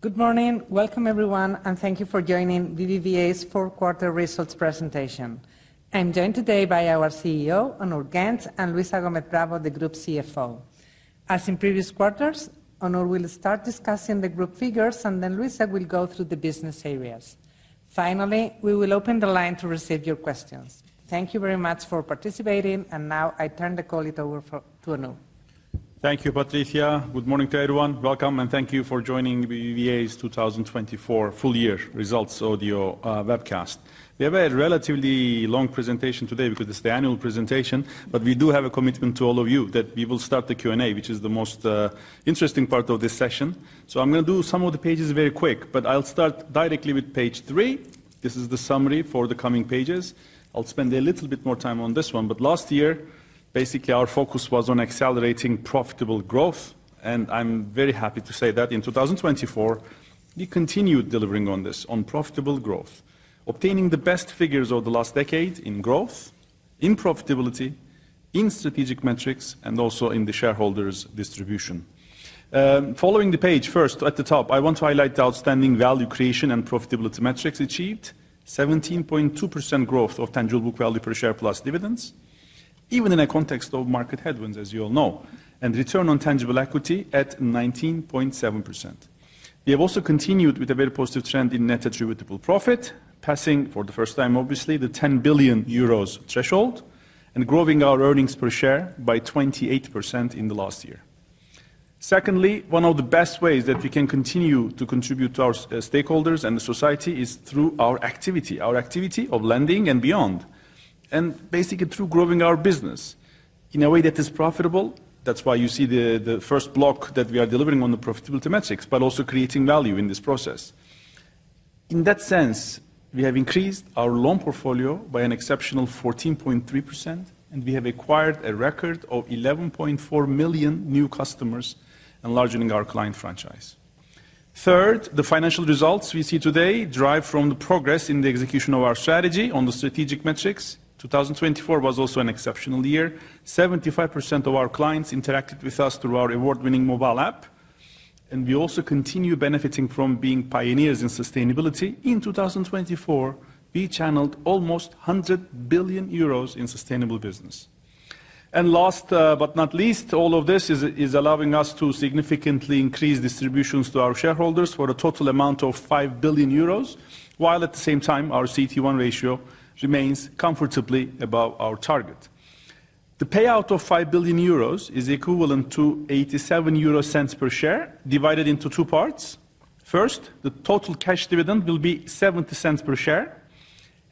Good morning. Welcome, everyone, and thank you for joining BBVA's fourth-quarter results presentation. I'm joined today by our CEO, Onur Genç, and Luisa Gómez Bravo, the Group CFO. As in previous quarters, Onur will start discussing the group figures, and then Luisa will go through the business areas. Finally, we will open the line to receive your questions. Thank you very much for participating, and now I turn the call over to Onur. Thank you, Patricia. Good morning to everyone. Welcome, and thank you for joining BBVA's 2024 full-year results audio webcast. We have a relatively long presentation today because it's the annual presentation, but we do have a commitment to all of you that we will start the Q&A, which is the most interesting part of this session. So I'm going to do some of the pages very quick, but I'll start directly with page three. This is the summary for the coming pages. I'll spend a little bit more time on this one, but last year, basically, our focus was on accelerating profitable growth, and I'm very happy to say that in 2024, we continued delivering on this, on profitable growth, obtaining the best figures over the last decade in growth, in profitability, in strategic metrics, and also in the shareholders' distribution. Following the page, first, at the top, I want to highlight the outstanding value creation and profitability metrics achieved: 17.2% growth of tangible book value per share plus dividends, even in a context of market headwinds, as you all know, and return on tangible equity at 19.7%. We have also continued with a very positive trend in net attributable profit, passing, for the first time, obviously, the 10 billion euros threshold and growing our earnings per share by 28% in the last year. Secondly, one of the best ways that we can continue to contribute to our stakeholders and the society is through our activity, our activity of lending and beyond, and basically through growing our business in a way that is profitable. That's why you see the first block that we are delivering on the profitability metrics, but also creating value in this process. In that sense, we have increased our loan portfolio by an exceptional 14.3%, and we have acquired a record of 11.4 million new customers and larger than our client franchise. Third, the financial results we see today derive from the progress in the execution of our strategy on the strategic metrics. 2024 was also an exceptional year. 75% of our clients interacted with us through our award-winning mobile app, and we also continue benefiting from being pioneers in sustainability. In 2024, we channeled almost 100 billion euros in sustainable business, and last but not least, all of this is allowing us to significantly increase distributions to our shareholders for a total amount of 5 billion euros, while at the same time, our CET1 ratio remains comfortably above our target. The payout of 5 billion euros is equivalent to 87 euro per share divided into two parts. First, the total cash dividend will be 0.70 per share,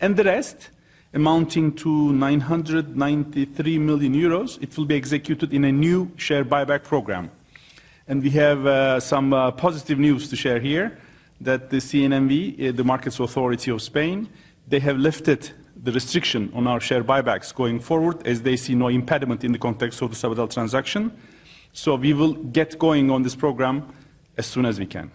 and the rest, amounting to 993 million euros, it will be executed in a new share buyback program. And we have some positive news to share here that the CNMV, the Markets Authority of Spain, they have lifted the restriction on our share buybacks going forward as they see no impediment in the context of the Sabadell transaction. So we will get going on this program as soon as we can.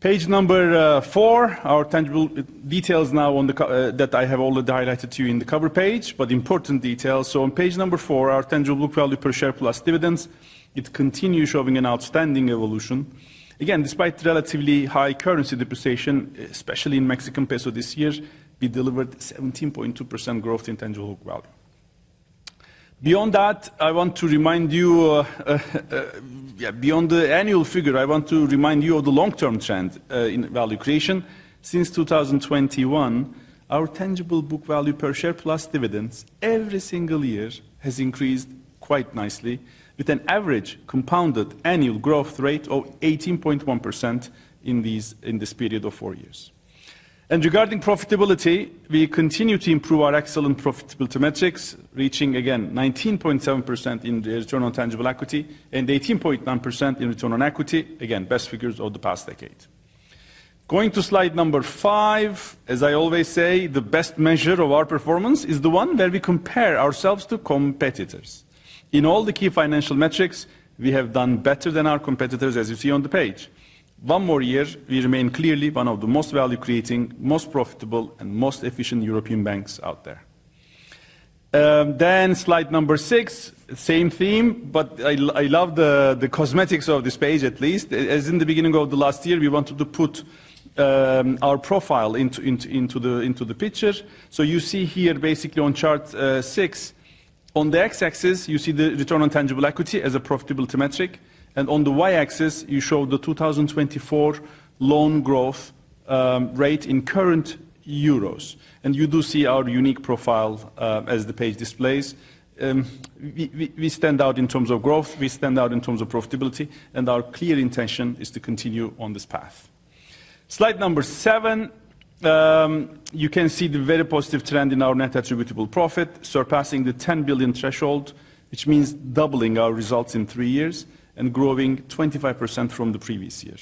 Page number four, our tangible details now that I have already highlighted to you in the cover page, but important details. So on page number four, our tangible book value per share plus dividends, it continues showing an outstanding evolution. Again, despite relatively high currency depreciation, especially in Mexican peso this year, we delivered 17.2% growth in tangible book value. Beyond that, I want to remind you, beyond the annual figure, I want to remind you of the long-term trend in value creation. Since 2021, our tangible book value per share plus dividends every single year has increased quite nicely with an average compounded annual growth rate of 18.1% in this period of four years. Regarding profitability, we continue to improve our excellent profitability metrics, reaching again 19.7% in return on tangible equity and 18.9% in return on equity, again, best figures of the past decade. Going to slide number five, as I always say, the best measure of our performance is the one where we compare ourselves to competitors. In all the key financial metrics, we have done better than our competitors, as you see on the page. One more year, we remain clearly one of the most value-creating, most profitable, and most efficient European banks out there. Then slide number six, same theme, but I love the cosmetics of this page at least. As in the beginning of the last year, we wanted to put our profile into the picture. So you see here basically on chart six, on the x-axis, you see the return on tangible equity as a profitability metric, and on the y-axis, you show the 2024 loan growth rate in current euros. And you do see our unique profile as the page displays. We stand out in terms of growth, we stand out in terms of profitability, and our clear intention is to continue on this path. Slide number seven, you can see the very positive trend in our net attributable profit surpassing the 10 billion threshold, which means doubling our results in three years and growing 25% from the previous year.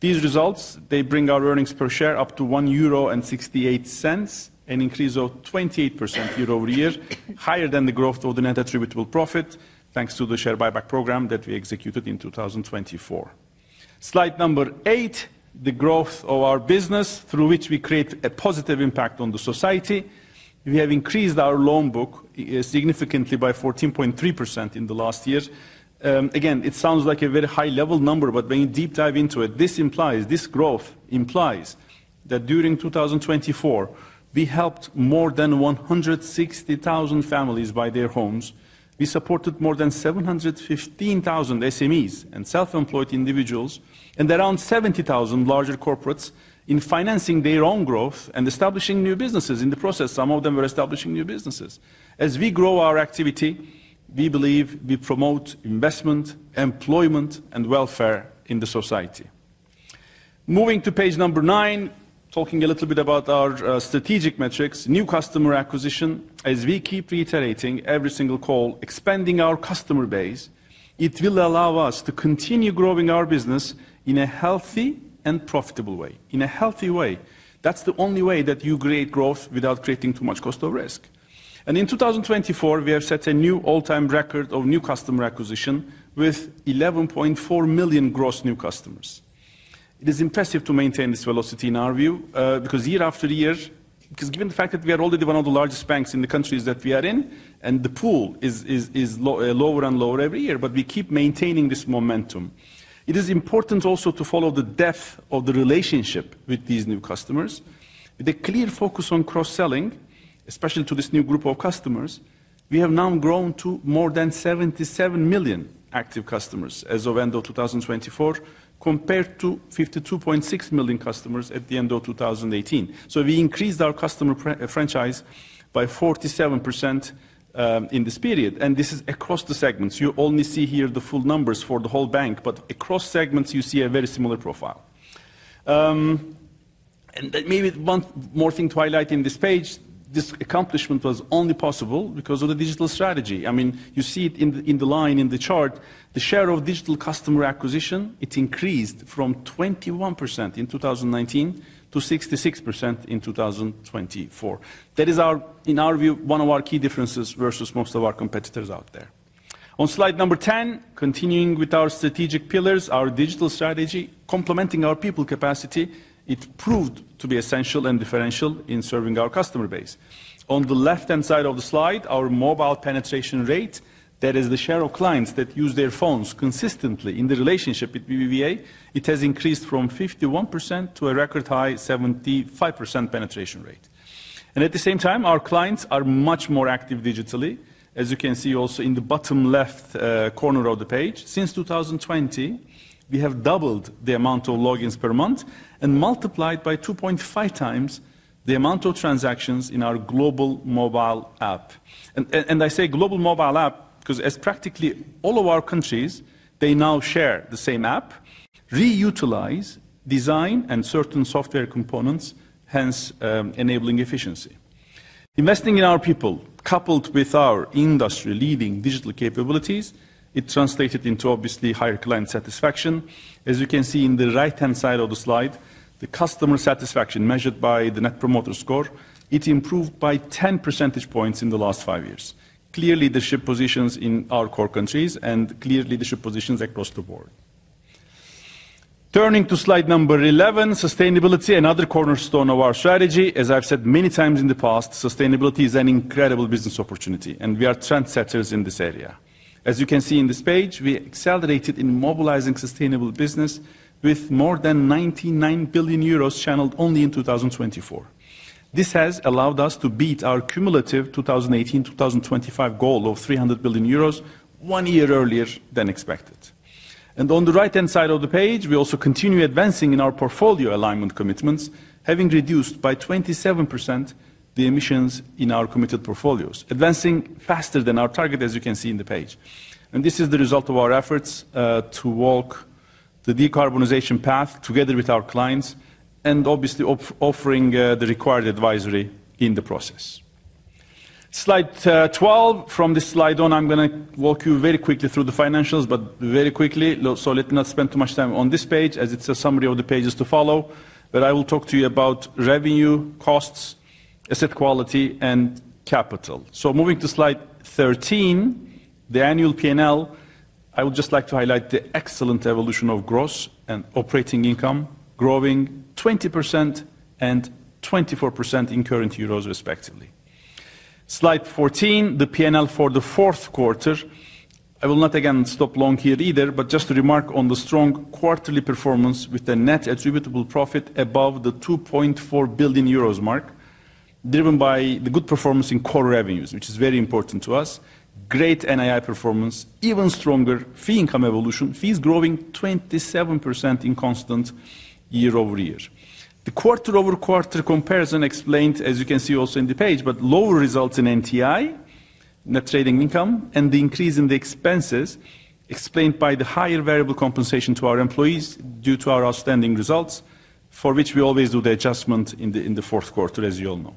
These results, they bring our earnings per share up to 1.68 euro, an increase of 28% year-over-year, higher than the growth of the net attributable profit thanks to the share buyback program that we executed in 2024. Slide number eight, the growth of our business through which we create a positive impact on the society. We have increased our loan book significantly by 14.3% in the last year. Again, it sounds like a very high-level number, but when you deep dive into it, this implies, this growth implies that during 2024, we helped more than 160,000 families buy their homes. We supported more than 715,000 SMEs and self-employed individuals and around 70,000 larger corporates in financing their own growth and establishing new businesses. In the process, some of them were establishing new businesses. As we grow our activity, we believe we promote investment, employment, and welfare in the society. Moving to page number nine, talking a little bit about our strategic metrics, new customer acquisition. As we keep reiterating every single call, expanding our customer base, it will allow us to continue growing our business in a healthy and profitable way. In a healthy way, that's the only way that you create growth without creating too much cost of risk. In 2024, we have set a new all-time record of new customer acquisition with 11.4 million gross new customers. It is impressive to maintain this velocity in our view because given the fact that we are already one of the largest banks in the countries that we are in, and the pool is lower and lower every year, but we keep maintaining this momentum. It is important also to follow the depth of the relationship with these new customers. With a clear focus on cross-selling, especially to this new group of customers, we have now grown to more than 77 million active customers as of end of 2024, compared to 52.6 million customers at the end of 2018. So we increased our customer franchise by 47% in this period, and this is across the segments. You only see here the full numbers for the whole bank, but across segments, you see a very similar profile. And maybe one more thing to highlight in this page, this accomplishment was only possible because of the digital strategy. I mean, you see it in the line in the chart, the share of digital customer acquisition, it increased from 21% in 2019 to 66% in 2024. That is, in our view, one of our key differences versus most of our competitors out there. On slide number 10, continuing with our strategic pillars, our digital strategy, complementing our people capacity, it proved to be essential and differential in serving our customer base. On the left-hand side of the slide, our mobile penetration rate, that is, the share of clients that use their phones consistently in the relationship with BBVA, it has increased from 51% to a record high, 75% penetration rate, and at the same time, our clients are much more active digitally, as you can see also in the bottom left corner of the page. Since 2020, we have doubled the amount of logins per month and multiplied by 2.5 times the amount of transactions in our global mobile app, and I say global mobile app because as practically all of our countries, they now share the same app, reutilize, design, and certain software components, hence enabling efficiency. Investing in our people, coupled with our industry-leading digital capabilities, it translated into obviously higher client satisfaction. As you can see in the right-hand side of the slide, the customer satisfaction measured by the Net Promoter Score, it improved by 10 percentage points in the last five years. Clear leadership positions in our core countries and clear leadership positions across the board. Turning to slide number 11, sustainability, another cornerstone of our strategy. As I've said many times in the past, sustainability is an incredible business opportunity, and we are trendsetters in this area. As you can see in this page, we accelerated in mobilizing sustainable business with more than 99 billion euros channeled only in 2024. This has allowed us to beat our cumulative 2018-2025 goal of 300 billion euros one year earlier than expected. On the right-hand side of the page, we also continue advancing in our portfolio alignment commitments, having reduced by 27% the emissions in our committed portfolios, advancing faster than our target, as you can see in the page. This is the result of our efforts to walk the decarbonization path together with our clients and obviously offering the required advisory in the process. Slide 12. From this slide on, I'm going to walk you very quickly through the financials, but very quickly. Let me not spend too much time on this page as it's a summary of the pages to follow, but I will talk to you about revenue, costs, asset quality, and capital. Moving to slide 13, the annual P&L, I would just like to highlight the excellent evolution of gross and operating income growing 20% and 24% in current euros, respectively. Slide 14, the P&L for the fourth quarter. I will not again stop long here either, but just to remark on the strong quarterly performance with the net attributable profit above the 2.4 billion euros mark, driven by the good performance in core revenues, which is very important to us. Great NII performance, even stronger fee income evolution, fees growing 27% in constant year-over-year. The quarter-over-quarter comparison explained, as you can see also in the page, but lower results in NTI, net trading income, and the increase in the expenses explained by the higher variable compensation to our employees due to our outstanding results, for which we always do the adjustment in the fourth quarter, as you all know.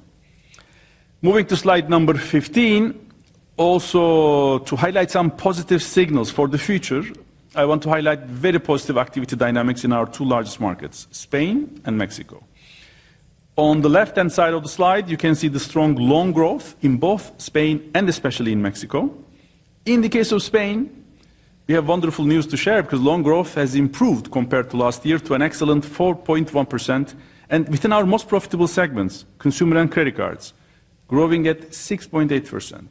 Moving to slide number 15, also to highlight some positive signals for the future, I want to highlight very positive activity dynamics in our two largest markets, Spain and Mexico. On the left-hand side of the slide, you can see the strong loan growth in both Spain and especially in Mexico. In the case of Spain, we have wonderful news to share because loan growth has improved compared to last year to an excellent 4.1%, and within our most profitable segments, consumer and credit cards, growing at 6.8%.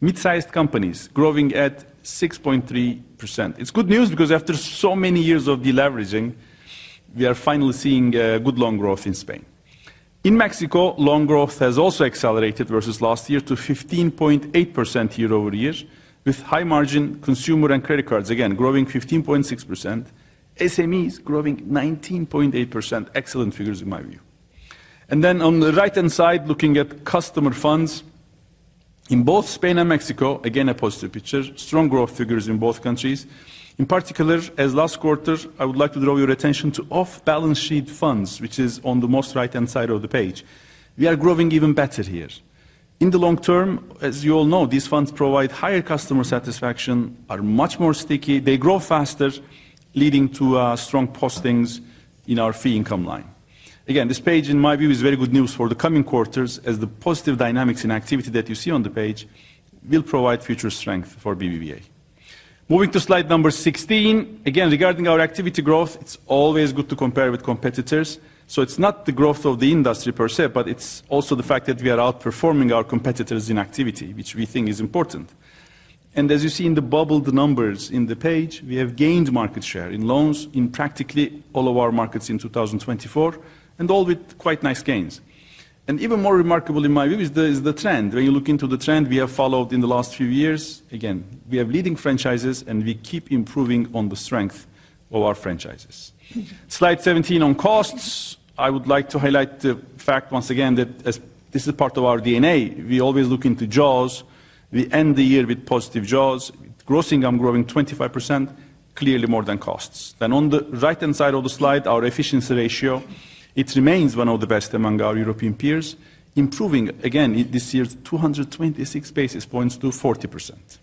Mid-sized companies growing at 6.3%. It's good news because after so many years of deleveraging, we are finally seeing good loan growth in Spain. In Mexico, loan growth has also accelerated versus last year to 15.8% year-over-year, with high-margin consumer and credit cards again growing 15.6%, SMEs growing 19.8%, excellent figures in my view, and then on the right-hand side, looking at customer funds, in both Spain and Mexico, again a positive picture, strong growth figures in both countries. In particular, as last quarter, I would like to draw your attention to off-balance sheet funds, which is on the most right-hand side of the page. We are growing even better here. In the long term, as you all know, these funds provide higher customer satisfaction, are much more sticky, they grow faster, leading to strong postings in our fee income line. Again, this page, in my view, is very good news for the coming quarters as the positive dynamics in activity that you see on the page will provide future strength for BBVA. Moving to slide number 16, again, regarding our activity growth, it's always good to compare with competitors. So it's not the growth of the industry per se, but it's also the fact that we are outperforming our competitors in activity, which we think is important. As you see in the bubbled numbers in the page, we have gained market share in loans in practically all of our markets in 2024, and all with quite nice gains. Even more remarkable in my view is the trend. When you look into the trend we have followed in the last few years, again, we have leading franchises and we keep improving on the strength of our franchises. Slide 17 on costs. I would like to highlight the fact once again that this is part of our DNA. We always look into jaws. We end the year with positive jaws. Gross income growing 25%, clearly more than costs. Then on the right-hand side of the slide, our efficiency ratio, it remains one of the best among our European peers, improving again this year to 226 basis points to 40%.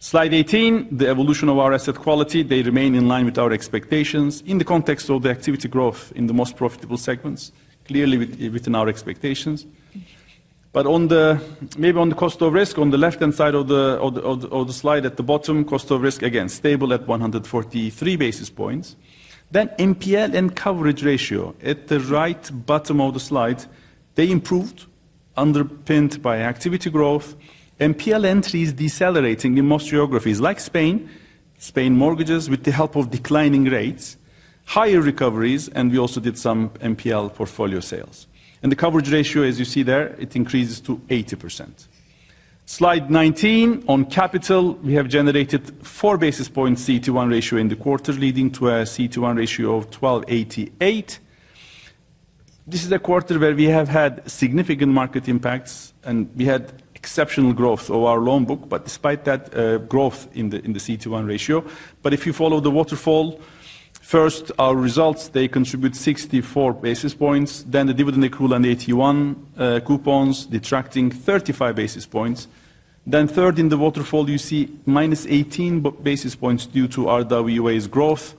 Slide 18, the evolution of our asset quality. They remain in line with our expectations in the context of the activity growth in the most profitable segments, clearly within our expectations, but maybe on the cost of risk, on the left-hand side of the slide at the bottom, cost of risk again stable at 143 basis points. Then NPL and coverage ratio at the right bottom of the slide, they improved, underpinned by activity growth. NPL entries decelerating in most geographies like Spain, Spain mortgages with the help of declining rates, higher recoveries, and we also did some NPL portfolio sales, and the coverage ratio, as you see there, it increases to 80%. Slide 19, on capital, we have generated four basis points CET1 ratio in the quarter, leading to a CET1 ratio of 1288. This is a quarter where we have had significant market impacts and we had exceptional growth of our loan book, but despite that growth in the CET1 ratio. But if you follow the waterfall, first, our results, they contribute 64 basis points, then the dividend accrual and AT1 coupons detracting 35 basis points. Then third in the waterfall, you see minus 18 basis points due to our RWA's growth.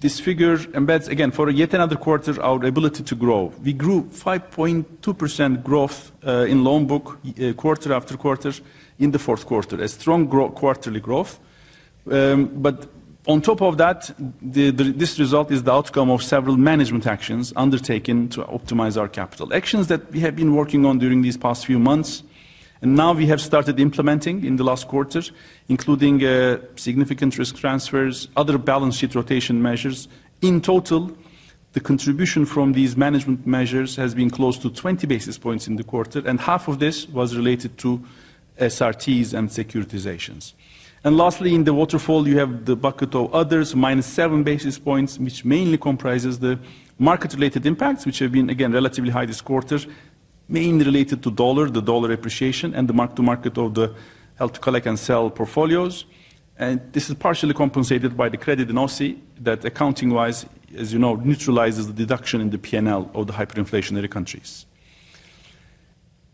This figure embeds again for yet another quarter our ability to grow. We grew 5.2% growth in loan book quarter-after-quarter in the fourth quarter, a strong quarterly growth. But on top of that, this result is the outcome of several management actions undertaken to optimize our capital. Actions that we have been working on during these past few months and now we have started implementing in the last quarter, including significant risk transfers, other balance sheet rotation measures. In total, the contribution from these management measures has been close to 20 basis points in the quarter, and half of this was related to SRTs and securitizations. Lastly, in the waterfall, you have the bucket of others, minus seven basis points, which mainly comprises the market-related impacts, which have been again relatively high this quarter, mainly related to the dollar appreciation, and the mark-to-market of the held-to-collect-and-sell portfolios. This is partially compensated by the credit in OCI that accounting-wise, as you know, neutralizes the deduction in the P&L of the hyperinflationary countries.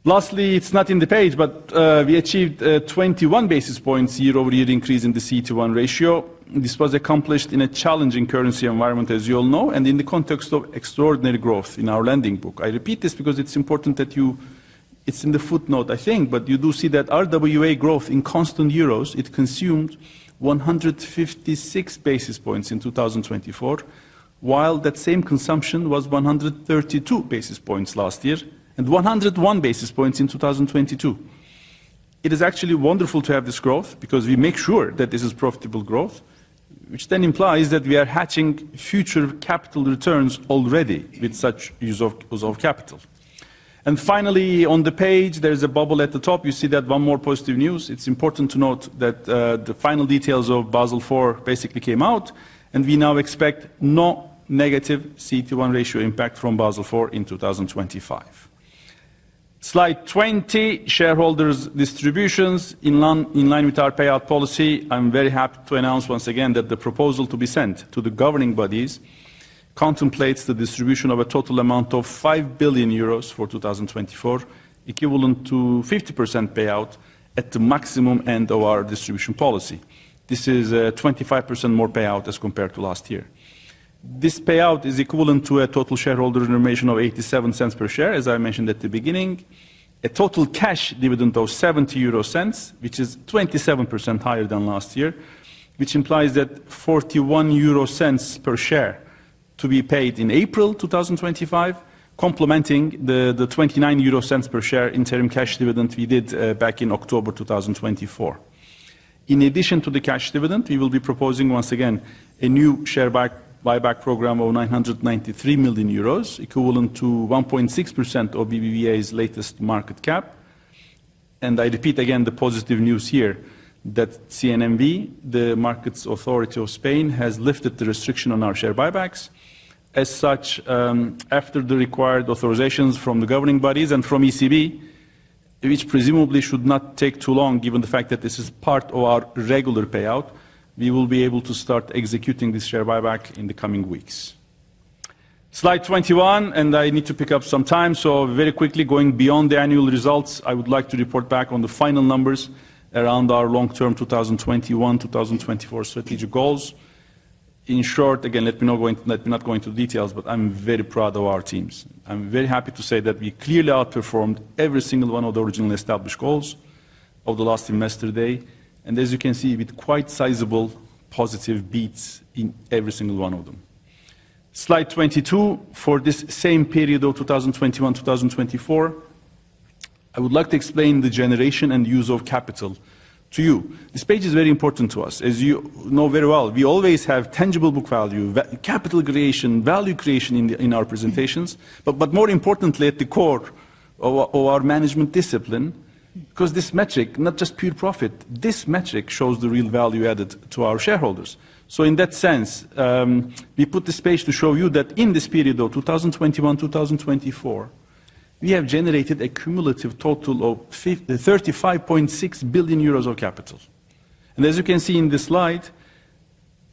Lastly, it's not in the page, but we achieved a 21 basis points year-over-year increase in the CET1 ratio. This was accomplished in a challenging currency environment, as you all know, and in the context of extraordinary growth in our lending book. I repeat this because it's important that you, it's in the footnote, I think, but you do see that our RWA growth in constant euros, it consumed 156 basis points in 2024, while that same consumption was 132 basis points last year and 101 basis points in 2022. It is actually wonderful to have this growth because we make sure that this is profitable growth, which then implies that we are hatching future capital returns already with such use of capital. And finally, on the page, there is a bubble at the top. You see that one more positive news. It's important to note that the final details of Basel IV basically came out, and we now expect no negative CET1 ratio impact from Basel IV in 2025. Slide 20, shareholders' distributions in line with our payout policy. I'm very happy to announce once again that the proposal to be sent to the governing bodies contemplates the distribution of a total amount of 5 billion euros for 2024, equivalent to 50% payout at the maximum end of our distribution policy. This is 25% more payout as compared to last year. This payout is equivalent to a total shareholder return of 0.87 per share, as I mentioned at the beginning, a total cash dividend of 0.70, which is 27% higher than last year, which implies that 0.41 per share to be paid in April 2025, complementing the 0.29 per share interim cash dividend we did back in October 2024. In addition to the cash dividend, we will be proposing once again a new share buyback program of 993 million euros, equivalent to 1.6% of BBVA's latest market cap. I repeat again the positive news here that CNMV, the markets authority of Spain, has lifted the restriction on our share buybacks. As such, after the required authorizations from the governing bodies and from ECB, which presumably should not take too long given the fact that this is part of our regular payout, we will be able to start executing this share buyback in the coming weeks. Slide 21, and I need to pick up some time. Very quickly, going beyond the annual results, I would like to report back on the final numbers around our long-term 2021-2024 strategic goals. In short, again, let me not go into details, but I'm very proud of our teams. I'm very happy to say that we clearly outperformed every single one of the originally established goals of the last investor day, and as you can see, with quite sizable positive beats in every single one of them. Slide 22, for this same period of 2021-2024, I would like to explain the generation and use of capital to you. This page is very important to us. As you know very well, we always have tangible book value, capital creation, value creation in our presentations, but more importantly, at the core of our management discipline, because this metric, not just pure profit, this metric shows the real value added to our shareholders. So in that sense, we put this page to show you that in this period of 2021-2024, we have generated a cumulative total of 35.6 billion euros of capital. And as you can see in this slide,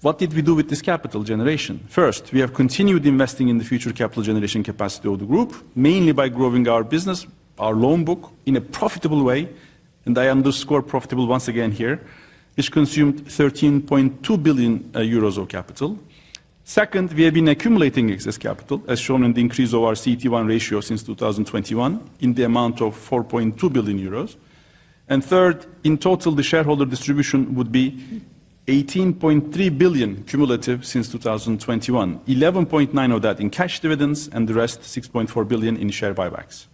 what did we do with this capital generation? First, we have continued investing in the future capital generation capacity of the group, mainly by growing our business, our loan book in a profitable way, and I underscore profitable once again here, which consumed 13.2 billion euros of capital. Second, we have been accumulating excess capital, as shown in the increase of our CET1 ratio since 2021 in the amount of 4.2 billion euros. And third, in total, the shareholder distribution would be 18.3 billion cumulative since 2021, 11.9 of that in cash dividends and the rest 6.4 billion in share buybacks.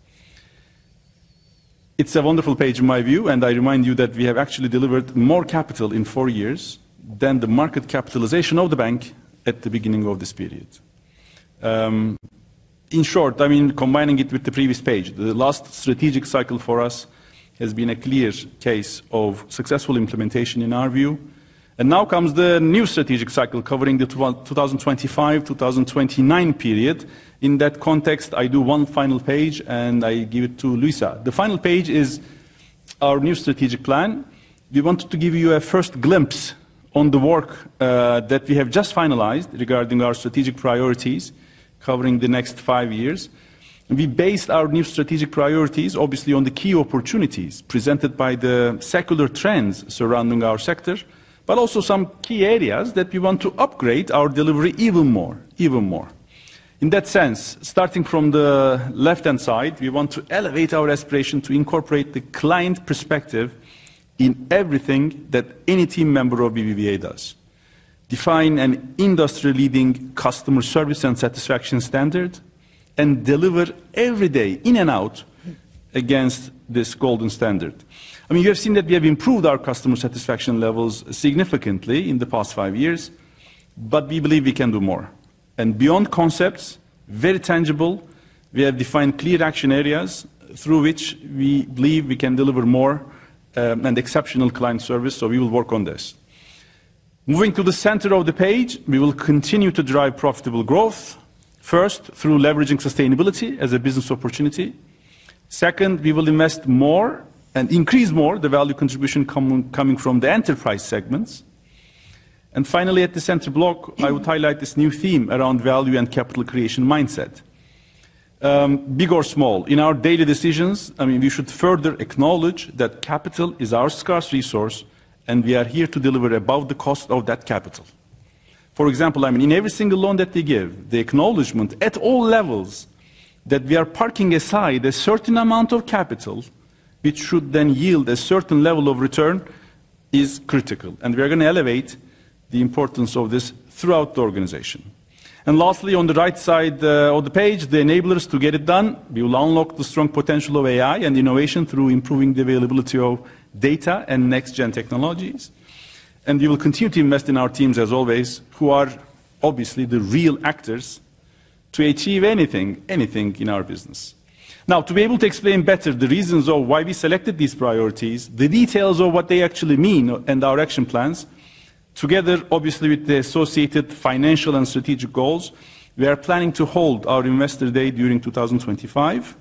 It's a wonderful page in my view, and I remind you that we have actually delivered more capital in four years than the market capitalization of the bank at the beginning of this period. In short, I mean, combining it with the previous page, the last strategic cycle for us has been a clear case of successful implementation in our view. And now comes the new strategic cycle covering the 2025-2029 period. In that context, I do one final page and I give it to Luisa. The final page is our new strategic plan. We wanted to give you a first glimpse on the work that we have just finalized regarding our strategic priorities covering the next five years. We based our new strategic priorities, obviously, on the key opportunities presented by the secular trends surrounding our sector, but also some key areas that we want to upgrade our delivery even more, even more. In that sense, starting from the left-hand side, we want to elevate our aspiration to incorporate the client perspective in everything that any team member of BBVA does, define an industry-leading customer service and satisfaction standard, and deliver every day in and out against this golden standard. I mean, you have seen that we have improved our customer satisfaction levels significantly in the past five years, but we believe we can do more. And beyond concepts, very tangible, we have defined clear action areas through which we believe we can deliver more and exceptional client service, so we will work on this. Moving to the center of the page, we will continue to drive profitable growth, first through leveraging sustainability as a business opportunity. Second, we will invest more and increase more the value contribution coming from the enterprise segments. Finally, at the center block, I would highlight this new theme around value and capital creation mindset. Big or small, in our daily decisions, I mean, we should further acknowledge that capital is our scarce resource and we are here to deliver above the cost of that capital. For example, I mean, in every single loan that they give, the acknowledgement at all levels that we are parking aside a certain amount of capital, which should then yield a certain level of return, is critical. We are going to elevate the importance of this throughout the organization. Lastly, on the right side of the page, the enablers to get it done, we will unlock the strong potential of AI and innovation through improving the availability of data and next-gen technologies. And we will continue to invest in our teams, as always, who are obviously the real actors to achieve anything, anything in our business. Now, to be able to explain better the reasons of why we selected these priorities, the details of what they actually mean and our action plans, together, obviously, with the associated financial and strategic goals, we are planning to hold our investor day during 2025.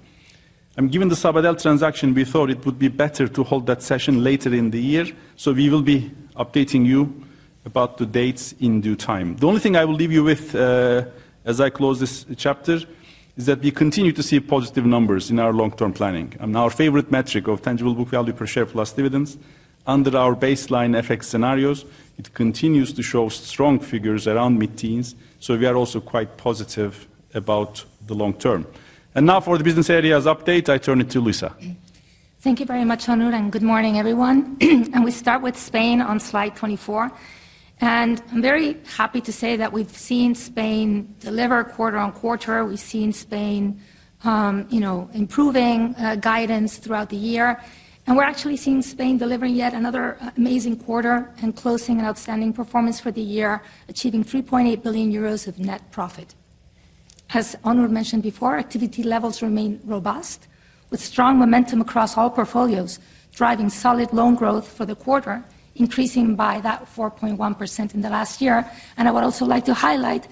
And given the Sabadell transaction, we thought it would be better to hold that session later in the year, so we will be updating you about the dates in due time. The only thing I will leave you with as I close this chapter is that we continue to see positive numbers in our long-term planning. Our favorite metric of tangible book value per share plus dividends, under our baseline FX scenarios, it continues to show strong figures around mid-teens, so we are also quite positive about the long term. Now for the business areas update, I turn it to Luisa. Thank you very much, Onur, and good morning, everyone. We start with Spain on slide 24. I'm very happy to say that we've seen Spain deliver quarter-on-quarter. We've seen Spain improving guidance throughout the year. We're actually seeing Spain delivering yet another amazing quarter and closing an outstanding performance for the year, achieving 3.8 billion euros of net profit. As Onur mentioned before, activity levels remain robust with strong momentum across all portfolios, driving solid loan growth for the quarter, increasing by that 4.1% in the last year. I would also like to highlight,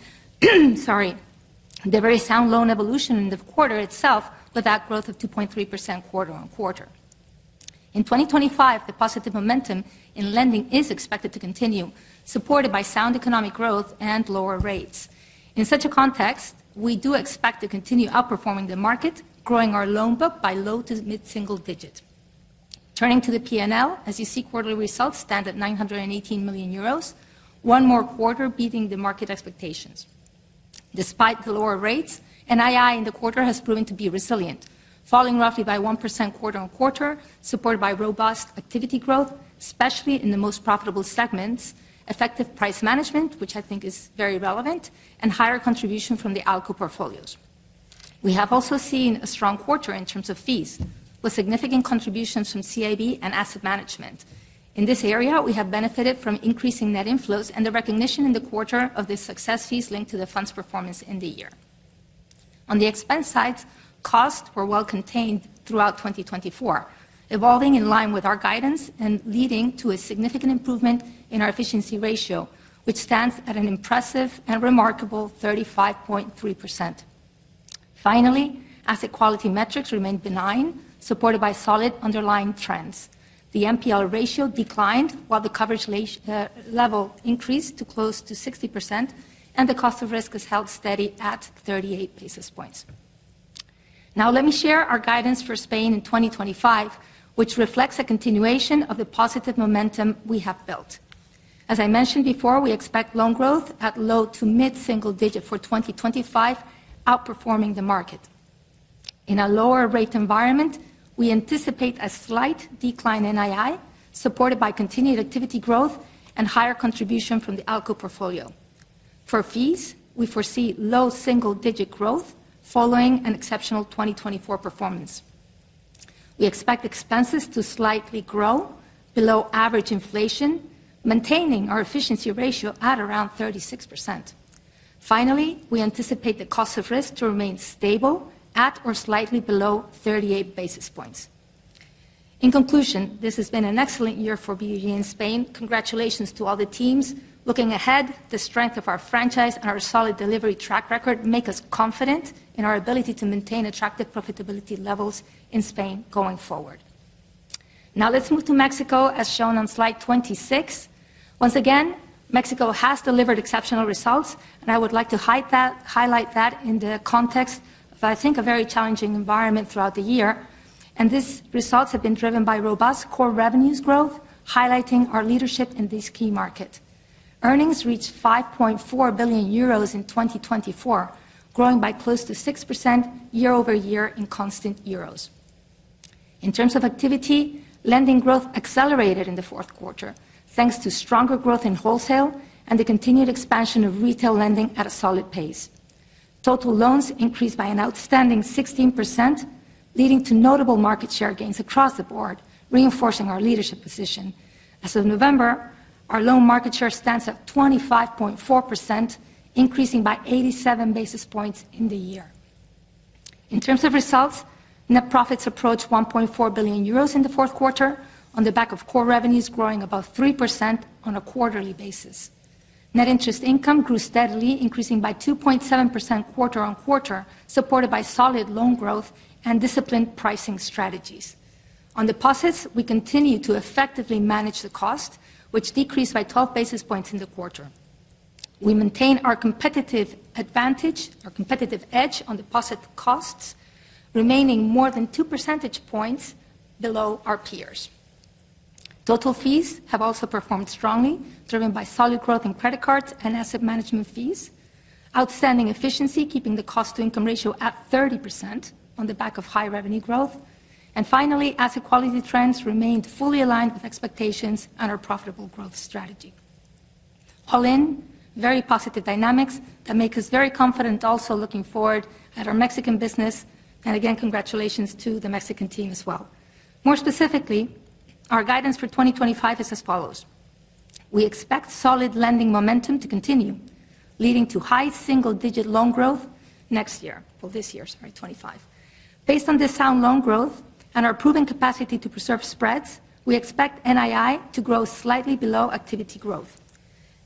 sorry, the very sound loan evolution in the quarter itself with that growth of 2.3% quarter-on-quarter. In 2025, the positive momentum in lending is expected to continue, supported by sound economic growth and lower rates. In such a context, we do expect to continue outperforming the market, growing our loan book by low to mid-single digit. Turning to the P&L, as you see, quarterly results stand at 918 million euros, one more quarter beating the market expectations. Despite the lower rates, NII in the quarter has proven to be resilient, falling roughly by 1% quarter-on-quarter, supported by robust activity growth, especially in the most profitable segments, effective price management, which I think is very relevant, and higher contribution from the ALCO portfolios. We have also seen a strong quarter in terms of fees, with significant contributions from CIB and asset management. In this area, we have benefited from increasing net inflows and the recognition in the quarter of the success fees linked to the fund's performance in the year. On the expense side, costs were well contained throughout 2024, evolving in line with our guidance and leading to a significant improvement in our efficiency ratio, which stands at an impressive and remarkable 35.3%. Finally, asset quality metrics remain benign, supported by solid underlying trends. The NPL ratio declined while the coverage level increased to close to 60%, and the cost of risk is held steady at 38 basis points. Now, let me share our guidance for Spain in 2025, which reflects a continuation of the positive momentum we have built. As I mentioned before, we expect loan growth at low- to mid-single-digit for 2025, outperforming the market. In a lower rate environment, we anticipate a slight decline in NII, supported by continued activity growth and higher contribution from the ALCO portfolio. For fees, we foresee low single-digit growth following an exceptional 2024 performance. We expect expenses to slightly grow below average inflation, maintaining our efficiency ratio at around 36%. Finally, we anticipate the cost of risk to remain stable at or slightly below 38 basis points. In conclusion, this has been an excellent year for BBVA in Spain. Congratulations to all the teams. Looking ahead, the strength of our franchise and our solid delivery track record make us confident in our ability to maintain attractive profitability levels in Spain going forward. Now let's move to Mexico, as shown on slide 26. Once again, Mexico has delivered exceptional results, and I would like to highlight that in the context of, I think, a very challenging environment throughout the year, and these results have been driven by robust core revenues growth, highlighting our leadership in this key market. Earnings reached 5.4 billion euros in 2024, growing by close to 6% year over year in constant euros. In terms of activity, lending growth accelerated in the fourth quarter, thanks to stronger growth in wholesale and the continued expansion of retail lending at a solid pace. Total loans increased by an outstanding 16%, leading to notable market share gains across the board, reinforcing our leadership position. As of November, our loan market share stands at 25.4%, increasing by 87 basis points in the year. In terms of results, net profits approached 1.4 billion euros in the fourth quarter on the back of core revenues growing about 3% on a quarterly basis. Net interest income grew steadily, increasing by 2.7% quarter-on-quarter, supported by solid loan growth and disciplined pricing strategies. On deposits, we continue to effectively manage the cost, which decreased by 12 basis points in the quarter. We maintain our competitive advantage, our competitive edge on deposit costs, remaining more than 2 percentage points below our peers. Total fees have also performed strongly, driven by solid growth in credit cards and asset management fees. Outstanding efficiency keeping the cost-to-income ratio at 30% on the back of high revenue growth. And finally, asset quality trends remained fully aligned with expectations and our profitable growth strategy. All in, very positive dynamics that make us very confident also looking forward at our Mexican business. Again, congratulations to the Mexican team as well. More specifically, our guidance for 2025 is as follows. We expect solid lending momentum to continue, leading to high single-digit loan growth next year, well, this year, sorry, 2025. Based on this sound loan growth and our proven capacity to preserve spreads, we expect NII to grow slightly below activity growth.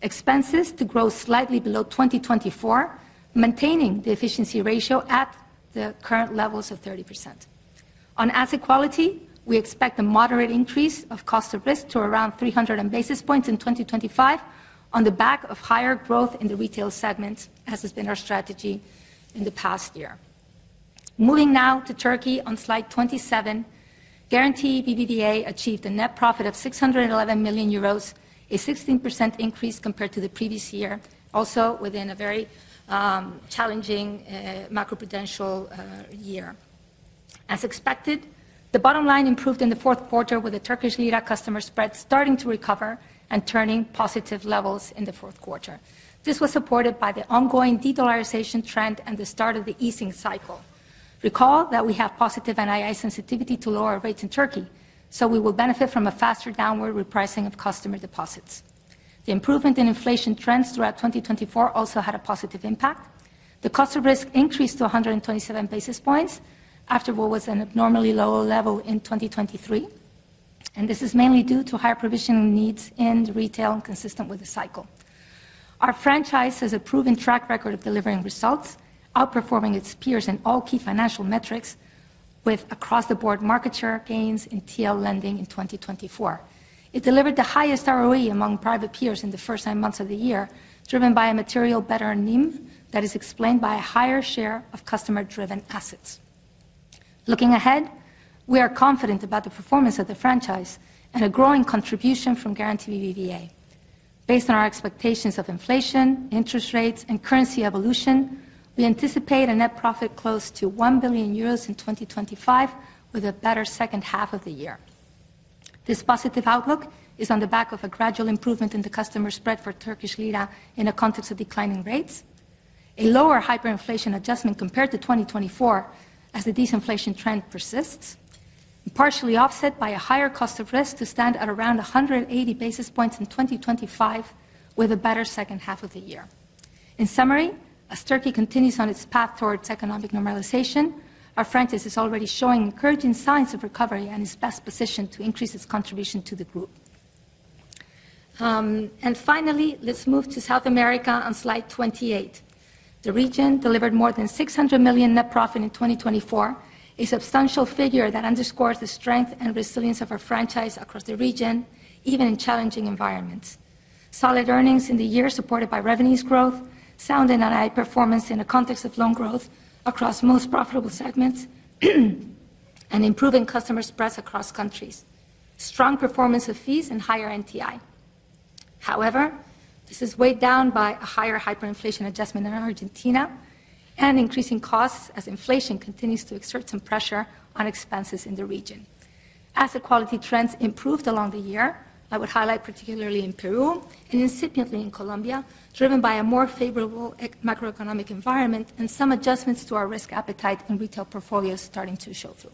Expenses to grow slightly below 2024, maintaining the efficiency ratio at the current levels of 30%. On asset quality, we expect a moderate increase of cost of risk to around 300 basis points in 2025 on the back of higher growth in the retail segment, as has been our strategy in the past year. Moving now to Turkey on slide 27, Garanti BBVA achieved a net profit of 611 million euros, a 16% increase compared to the previous year, also within a very challenging macroprudential year. As expected, the bottom line improved in the fourth quarter with the Turkish lira customer spread starting to recover and turning positive levels in the fourth quarter. This was supported by the ongoing de-dollarization trend and the start of the easing cycle. Recall that we have positive NII sensitivity to lower rates in Turkey, so we will benefit from a faster downward repricing of customer deposits. The improvement in inflation trends throughout 2024 also had a positive impact. The cost of risk increased to 127 basis points after what was an abnormally low level in 2023, and this is mainly due to higher provisional needs in retail, consistent with the cycle. Our franchise has a proven track record of delivering results, outperforming its peers in all key financial metrics with across-the-board market share gains in TL lending in 2024. It delivered the highest ROE among private peers in the first nine months of the year, driven by a materially better NII that is explained by a higher share of customer-driven assets. Looking ahead, we are confident about the performance of the franchise and a growing contribution from Garanti BBVA. Based on our expectations of inflation, interest rates, and currency evolution, we anticipate a net profit close to 1 billion euros in 2025 with a better second half of the year. This positive outlook is on the back of a gradual improvement in the customer spread for Turkish lira in the context of declining rates, a lower hyperinflation adjustment compared to 2024 as the disinflation trend persists, partially offset by a higher cost of risk to stand at around 180 basis points in 2025 with a better second half of the year. In summary, as Turkey continues on its path towards economic normalization, our franchise is already showing encouraging signs of recovery and is best positioned to increase its contribution to the group. Finally, let's move to South America on slide 28. The region delivered more than 600 million net profit in 2024, a substantial figure that underscores the strength and resilience of our franchise across the region, even in challenging environments. Solid earnings in the year, supported by revenues growth, sound NII performance in the context of loan growth across most profitable segments, and improving customer spreads across countries. Strong performance of fees and higher NTI. However, this is weighed down by a higher hyperinflation adjustment in Argentina and increasing costs as inflation continues to exert some pressure on expenses in the region. Asset quality trends improved along the year. I would highlight particularly in Peru and incipiently in Colombia, driven by a more favorable macroeconomic environment and some adjustments to our risk appetite in retail portfolios starting to show through.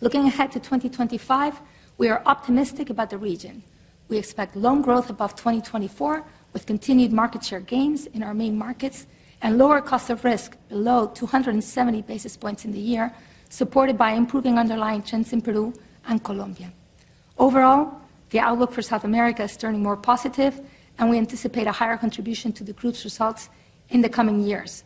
Looking ahead to 2025, we are optimistic about the region. We expect loan growth above 2024 with continued market share gains in our main markets and lower cost of risk below 270 basis points in the year, supported by improving underlying trends in Peru and Colombia. Overall, the outlook for South America is turning more positive, and we anticipate a higher contribution to the group's results in the coming years.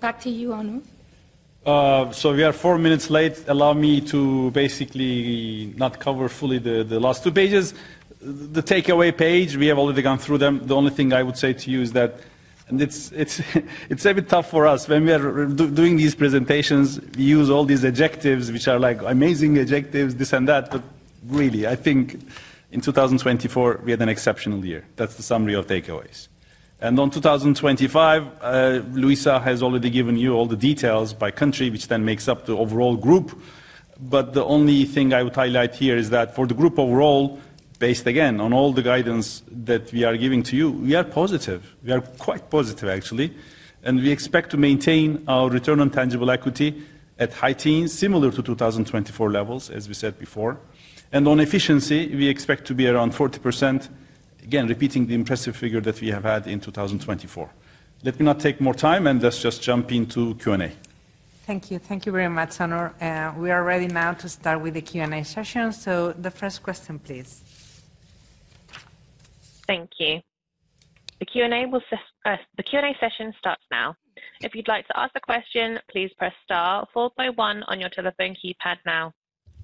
Back to you, Onur. We are four minutes late. Allow me to basically not cover fully the last two pages. The takeaway page, we have already gone through them. The only thing I would say to you is that it's a bit tough for us. When we are doing these presentations, we use all these adjectives, which are like amazing adjectives, this and that, but really, I think in 2024, we had an exceptional year. That's the summary of takeaways and on 2025, Luisa has already given you all the details by country, which then makes up the overall group, but the only thing I would highlight here is that for the group overall, based again on all the guidance that we are giving to you, we are positive. We are quite positive, actually, and we expect to maintain our return on tangible equity at high teens, similar to 2024 levels, as we said before, and on efficiency, we expect to be around 40%, again, repeating the impressive figure that we have had in 2024. Let me not take more time, and let's just jump into Q&A. Thank you. Thank you very much, Onur. We are ready now to start with the Q&A session. So the first question, please. Thank you. The Q&A session starts now. If you'd like to ask a question, please press star 4 by 1 on your telephone keypad now.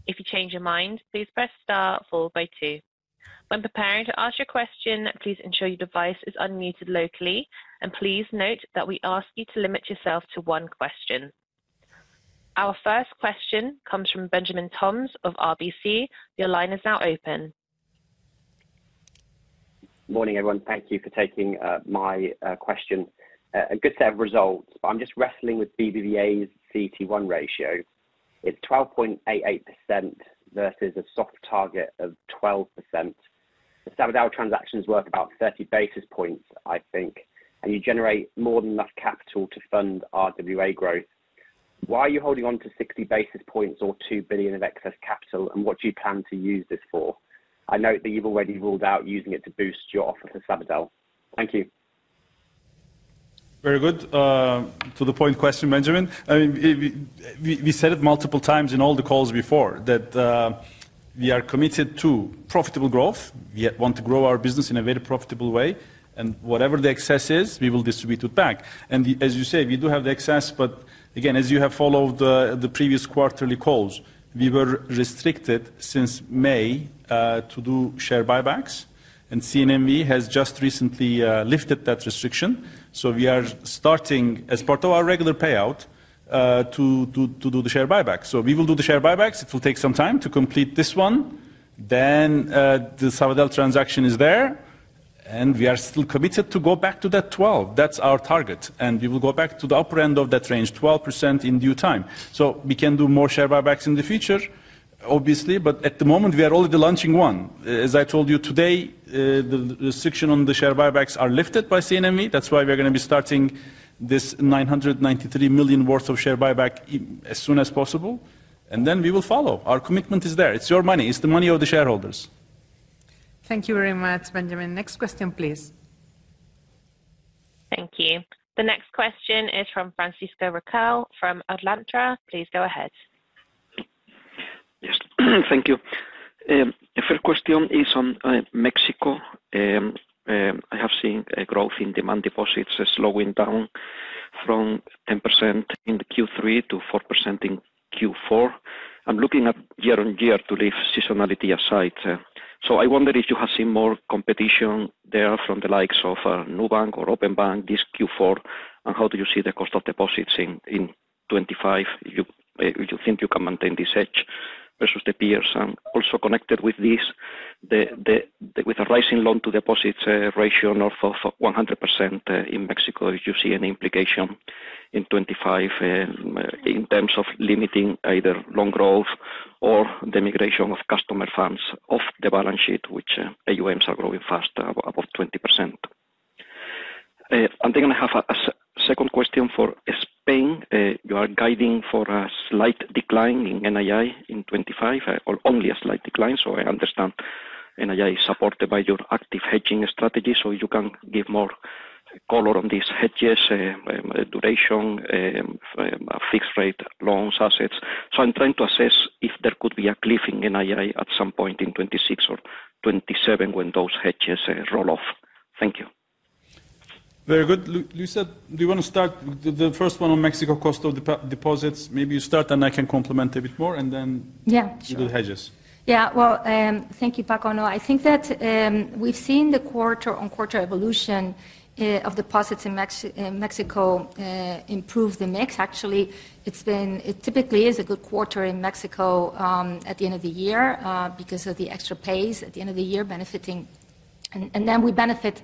If you change your mind, please press star 4 by 2. When preparing to ask your question, please ensure your device is unmuted locally. And please note that we ask you to limit yourself to one question. Our first question comes from Benjamin Toms of RBC. Your line is now open. Morning, everyone. Thank you for taking my question. A good set of results, but I'm just wrestling with BBVA's CET1 ratio. It's 12.88% versus a soft target of 12%. The Sabadell transactions were about 30 basis points, I think, and you generate more than enough capital to fund RWA growth. Why are you holding on to 60 basis points or 2 billion of excess capital, and what do you plan to use this for? I note that you've already ruled out using it to boost your offer for Sabadell. Thank you. Very good. To the point question, Benjamin, I mean, we said it multiple times in all the calls before that we are committed to profitable growth. We want to grow our business in a very profitable way, and whatever the excess is, we will distribute it back. And as you say, we do have the excess, but again, as you have followed the previous quarterly calls, we were restricted since May to do share buybacks, and CNMV has just recently lifted that restriction. So we are starting, as part of our regular payout, to do the share buybacks. So we will do the share buybacks. It will take some time to complete this one. Then the Sabadell transaction is there, and we are still committed to go back to that 12. That's our target, and we will go back to the upper end of that range, 12% in due time. So we can do more share buybacks in the future, obviously, but at the moment, we are already launching one. As I told you today, the restriction on the share buybacks is lifted by CNMV. That's why we're going to be starting this 993 million worth of share buyback as soon as possible. And then we will follow. Our commitment is there. It's your money. It's the money of the shareholders. Thank you very much, Benjamin. Next question, please. Thank you. The next question is from Francisco Riquel from Alantra. Please go ahead. Yes. Thank you. If your question is on Mexico, I have seen a growth in demand deposits slowing down from 10% in Q3 to 4% in Q4. I'm looking at year-on-year to leave seasonality aside. So I wonder if you have seen more competition there from the likes of Nubank or Openbank this Q4, and how do you see the cost of deposits in 2025? You think you can maintain this edge versus the peers? Also connected with this, with the rising loan-to-deposit ratio north of 100% in Mexico, do you see any implication in 2025 in terms of limiting either loan growth or the migration of customer funds off the balance sheet, which AUMs are growing fast, about 20%? I think I have a second question for Spain. You are guiding for a slight decline in NII in 2025, or only a slight decline. I understand NII is supported by your active hedging strategy, so you can give more color on these hedges, duration, fixed rate loans, assets. So I'm trying to assess if there could be a cliff in NII at some point in 2026 or 2027 when those hedges roll off. Thank you. Very good. Luisa, do you want to start the first one on Mexico cost of deposits? Maybe you start, and I can complement a bit more, and then you do the hedges. Yeah. Well, thank you, Paco. I think that we've seen the quarter-on-quarter evolution of deposits in Mexico improve the mix. Actually, it typically is a good quarter in Mexico at the end of the year because of the extra pays at the end of the year benefiting. And then we benefit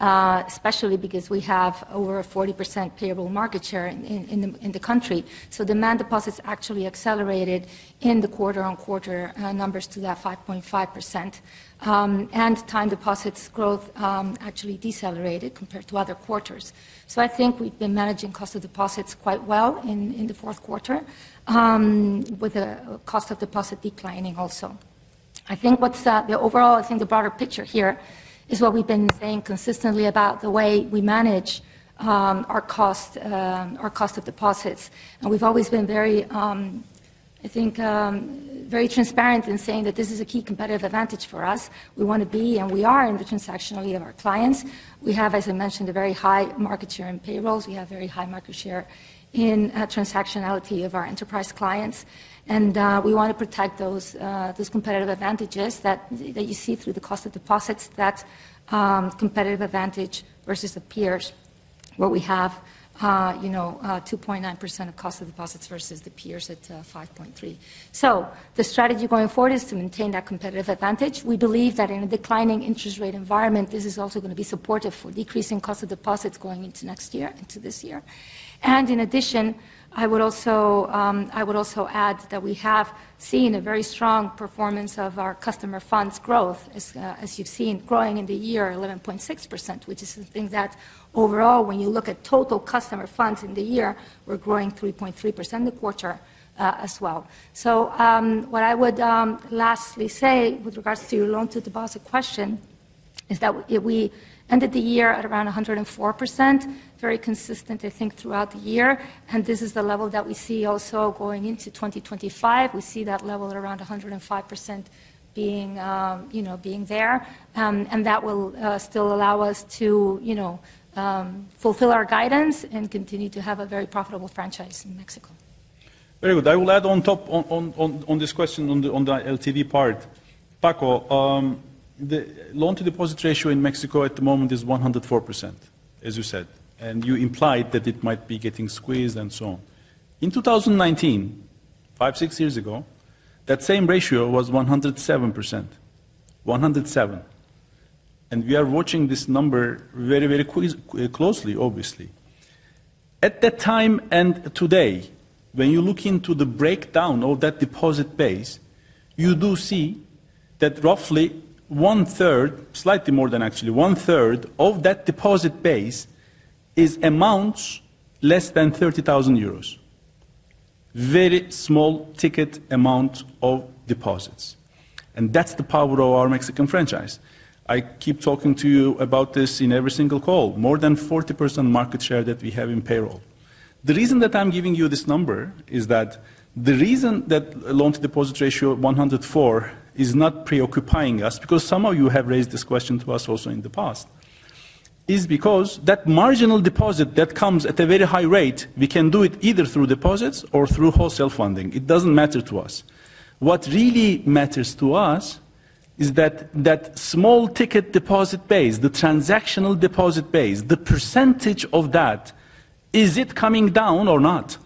especially because we have over a 40% payable market share in the country. Demand deposits actually accelerated in the quarter-on-quarter numbers to that 5.5%. Time deposits growth actually decelerated compared to other quarters. I think we've been managing cost of deposits quite well in the fourth quarter, with the cost of deposit declining also. I think what's the overall, I think the broader picture here is what we've been saying consistently about the way we manage our cost of deposits. We've always been very, I think, very transparent in saying that this is a key competitive advantage for us. We want to be, and we are in the transactionality of our clients. We have, as I mentioned, a very high market share in payrolls. We have a very high market share in transactionality of our enterprise clients. And we want to protect those competitive advantages that you see through the cost of deposits, that competitive advantage versus the peers, where we have 2.9% of cost of deposits versus the peers at 5.3%. So the strategy going forward is to maintain that competitive advantage. We believe that in a declining interest rate environment, this is also going to be supportive for decreasing cost of deposits going into next year, into this year. And in addition, I would also add that we have seen a very strong performance of our customer funds growth, as you've seen, growing in the year, 11.6%, which is something that overall, when you look at total customer funds in the year, we're growing 3.3% in the quarter as well. What I would lastly say with regards to your loan-to-deposit question is that we ended the year at around 104%, very consistent, I think, throughout the year. And this is the level that we see also going into 2025. We see that level at around 105% being there. And that will still allow us to fulfill our guidance and continue to have a very profitable franchise in Mexico. Very good. I will add on top on this question on the LTD part. Paco, the loan-to-deposit ratio in Mexico at the moment is 104%, as you said. And you implied that it might be getting squeezed and so on. In 2019, five, six years ago, that same ratio was 107%, 107. And we are watching this number very, very closely, obviously. At that time and today, when you look into the breakdown of that deposit base, you do see that roughly one-third, slightly more than actually one-third of that deposit base amounts to less than 30,000 euros. Very small ticket amount of deposits. And that's the power of our Mexican franchise. I keep talking to you about this in every single call. More than 40% market share that we have in payroll. The reason that I'm giving you this number is that the reason that loan-to-deposit ratio of 104 is not preoccupying us, because some of you have raised this question to us also in the past, is because that marginal deposit that comes at a very high rate, we can do it either through deposits or through wholesale funding. It doesn't matter to us. What really matters to us is that that small ticket deposit base, the transactional deposit base, the percentage of that, is it coming down or not,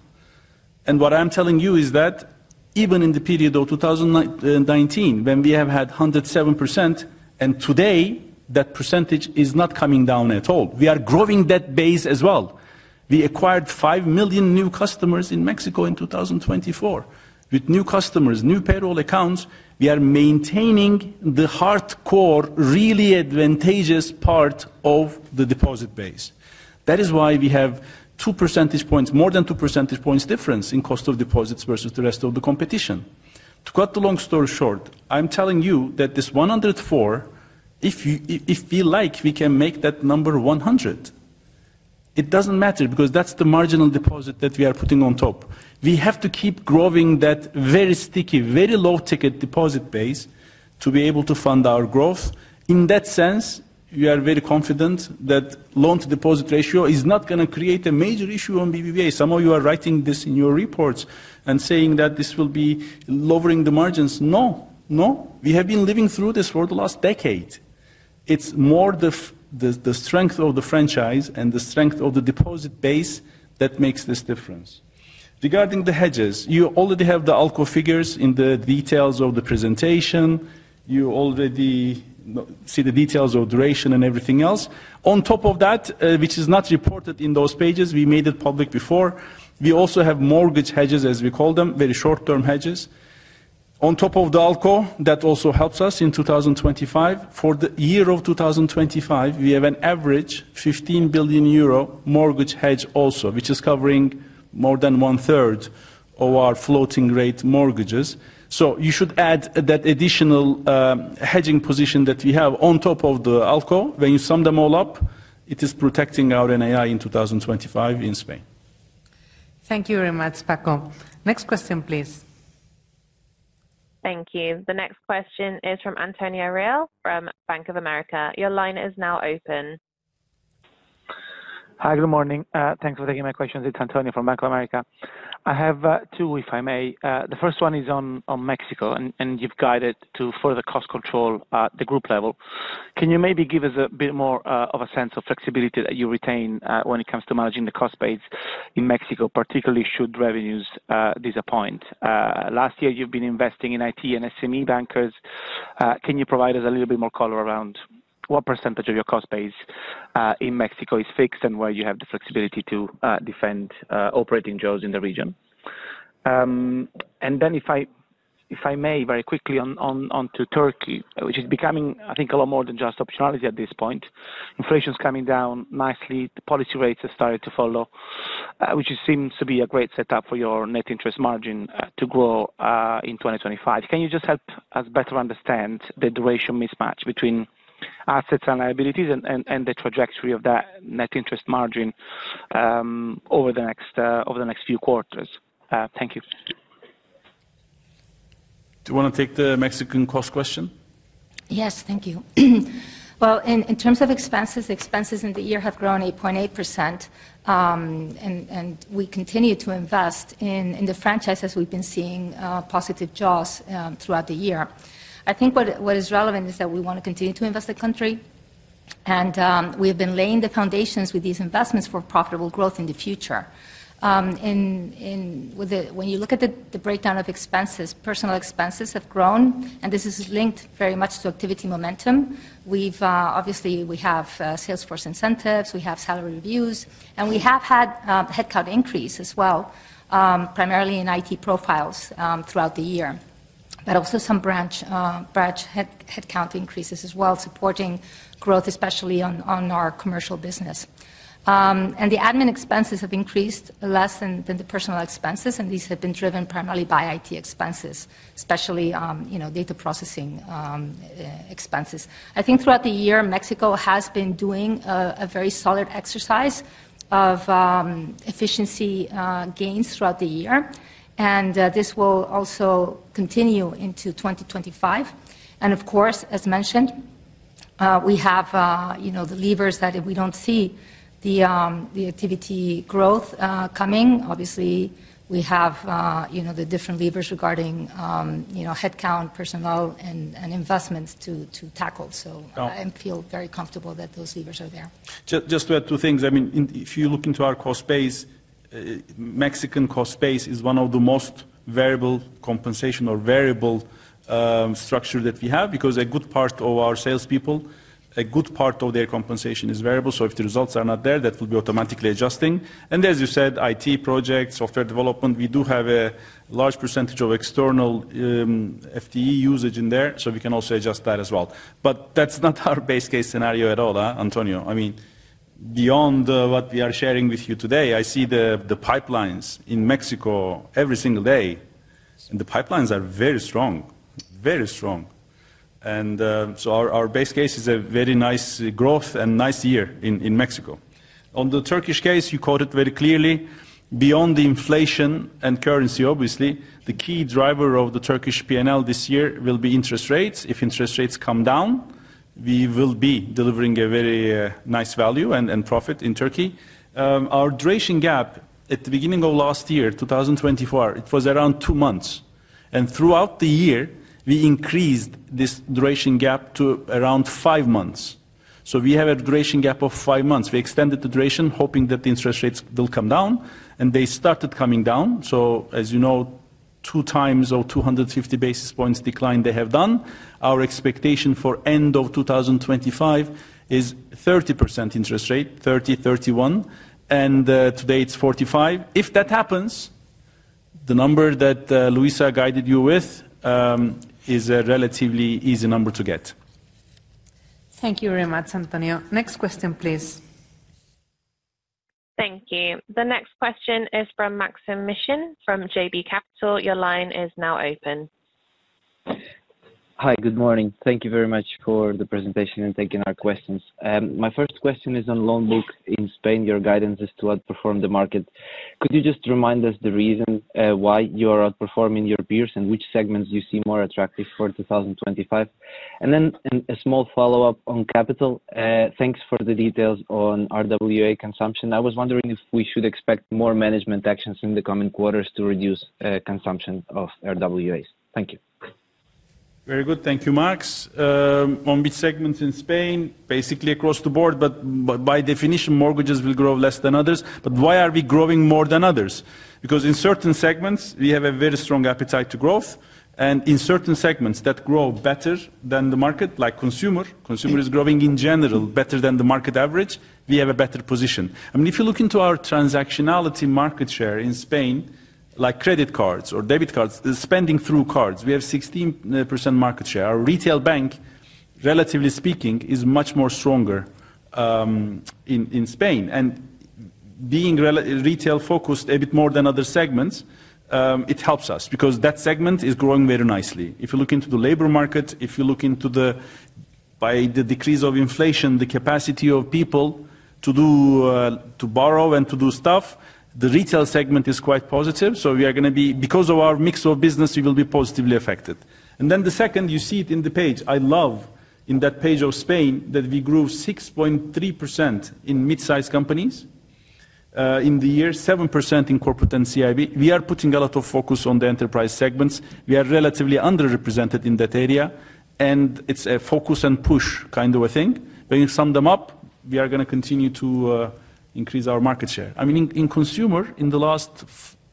and what I'm telling you is that even in the period of 2019, when we have had 107%, and today that percentage is not coming down at all. We are growing that base as well. We acquired five million new customers in Mexico in 2024. With new customers, new payroll accounts, we are maintaining the hardcore, really advantageous part of the deposit base. That is why we have two percentage points, more than two percentage points difference in cost of deposits versus the rest of the competition. To cut the long story short, I'm telling you that this 104, if we like, we can make that number 100. It doesn't matter because that's the marginal deposit that we are putting on top. We have to keep growing that very sticky, very low ticket deposit base to be able to fund our growth. In that sense, we are very confident that loan-to-deposit ratio is not going to create a major issue on BBVA. Some of you are writing this in your reports and saying that this will be lowering the margins. No, no. We have been living through this for the last decade. It's more the strength of the franchise and the strength of the deposit base that makes this difference. Regarding the hedges, you already have the ALCO figures in the details of the presentation. You already see the details of duration and everything else. On top of that, which is not reported in those pages, we made it public before. We also have mortgage hedges, as we call them, very short-term hedges. On top of the ALCO, that also helps us in 2025. For the year of 2025, we have an average 15 billion euro mortgage hedge also, which is covering more than one-third of our floating-rate mortgages. So you should add that additional hedging position that we have on top of the ALCO. When you sum them all up, it is protecting our NII in 2025 in Spain. Thank you very much, Paco. Next question, please. Thank you. The next question is from Antonio Reale from Bank of America. Your line is now open. Hi, good morning. Thanks for taking my questions. It's Antonio from Bank of America. I have two, if I may. The first one is on Mexico, and you've guided to further cost control at the group level. Can you maybe give us a bit more of a sense of flexibility that you retain when it comes to managing the cost base in Mexico, particularly should revenues disappoint? Last year, you've been investing in IT and SME bankers. Can you provide us a little bit more color around what percentage of your cost base in Mexico is fixed and where you have the flexibility to defend operating jobs in the region? And then if I may, very quickly onto Turkey, which is becoming, I think, a lot more than just optionality at this point. Inflation's coming down nicely. Policy rates have started to follow, which seems to be a great setup for your net interest margin to grow in 2025. Can you just help us better understand the duration mismatch between assets and liabilities and the trajectory of that net interest margin over the next few quarters? Thank you. Do you want to take the Mexican cost question? Yes, thank you. In terms of expenses, expenses in the year have grown 8.8%, and we continue to invest in the franchise as we've been seeing positive jaws throughout the year. I think what is relevant is that we want to continue to invest in the country, and we have been laying the foundations with these investments for profitable growth in the future. When you look at the breakdown of expenses, personnel expenses have grown, and this is linked very much to activity momentum. Obviously, we have sales force incentives, we have salary reviews, and we have had headcount increase as well, primarily in IT profiles throughout the year, but also some branch headcount increases as well, supporting growth, especially on our commercial business. And the admin expenses have increased less than the personnel expenses, and these have been driven primarily by IT expenses, especially data processing expenses. I think throughout the year, Mexico has been doing a very solid exercise of efficiency gains throughout the year, and this will also continue into 2025. And of course, as mentioned, we have the levers that if we don't see the activity growth coming, obviously, we have the different levers regarding headcount, personnel, and investments to tackle. So I feel very comfortable that those levers are there. Just two things. I mean, if you look into our cost base, Mexican cost base is one of the most variable compensation or variable structure that we have because a good part of our salespeople, a good part of their compensation is variable. So if the results are not there, that will be automatically adjusting. And as you said, IT projects, software development, we do have a large percentage of external FTE usage in there, so we can also adjust that as well. But that's not our base case scenario at all, Antonio. I mean, beyond what we are sharing with you today, I see the pipelines in Mexico every single day. And the pipelines are very strong, very strong. And so our base case is a very nice growth and nice year in Mexico. On the Turkish case, you quoted very clearly. Beyond the inflation and currency, obviously, the key driver of the Turkish P&L this year will be interest rates. If interest rates come down, we will be delivering a very nice value and profit in Turkey. Our duration gap at the beginning of last year, 2024, it was around two months. Throughout the year, we increased this duration gap to around five months. So we have a duration gap of five months. We extended the duration, hoping that the interest rates will come down, and they started coming down. So as you know, two times or 250 basis points decline they have done. Our expectation for end of 2025 is 30% interest rate, 30, 31. And today it's 45%. If that happens, the number that Luisa guided you with is a relatively easy number to get. Thank you very much, Antonio. Next question, please. Thank you. The next question is from Maksym Mishyn from JB Capital Markets. Your line is now open. Hi, good morning. Thank you very much for the presentation and taking our questions. My first question is on loan books in Spain. Your guidance is to outperform the market. Could you just remind us the reason why you are outperforming your peers and which segments you see more attractive for 2025? And then a small follow-up on capital. Thanks for the details on RWA consumption. I was wondering if we should expect more management actions in the coming quarters to reduce consumption of RWAs. Thank you. Very good. Thank you, Maks. On big segments in Spain, basically across the board, but by definition, mortgages will grow less than others. But why are we growing more than others? Because in certain segments, we have a very strong appetite to growth. And in certain segments that grow better than the market, like consumer, consumer is growing in general better than the market average, we have a better position. I mean, if you look into our transactionality market share in Spain, like credit cards or debit cards, spending through cards, we have 16% market share. Our retail bank, relatively speaking, is much more stronger in Spain, and being retail-focused a bit more than other segments, it helps us because that segment is growing very nicely. If you look into the labor market, by the decrease of inflation, the capacity of people to borrow and to do stuff, the retail segment is quite positive, so we are going to be, because of our mix of business, we will be positively affected, and then the second, you see it in the page. I love in that page of Spain that we grew 6.3% in mid-size companies in the year, 7% in corporate and CIB. We are putting a lot of focus on the enterprise segments. We are relatively underrepresented in that area. And it's a focus and push kind of a thing. When you sum them up, we are going to continue to increase our market share. I mean, in consumer, in the last,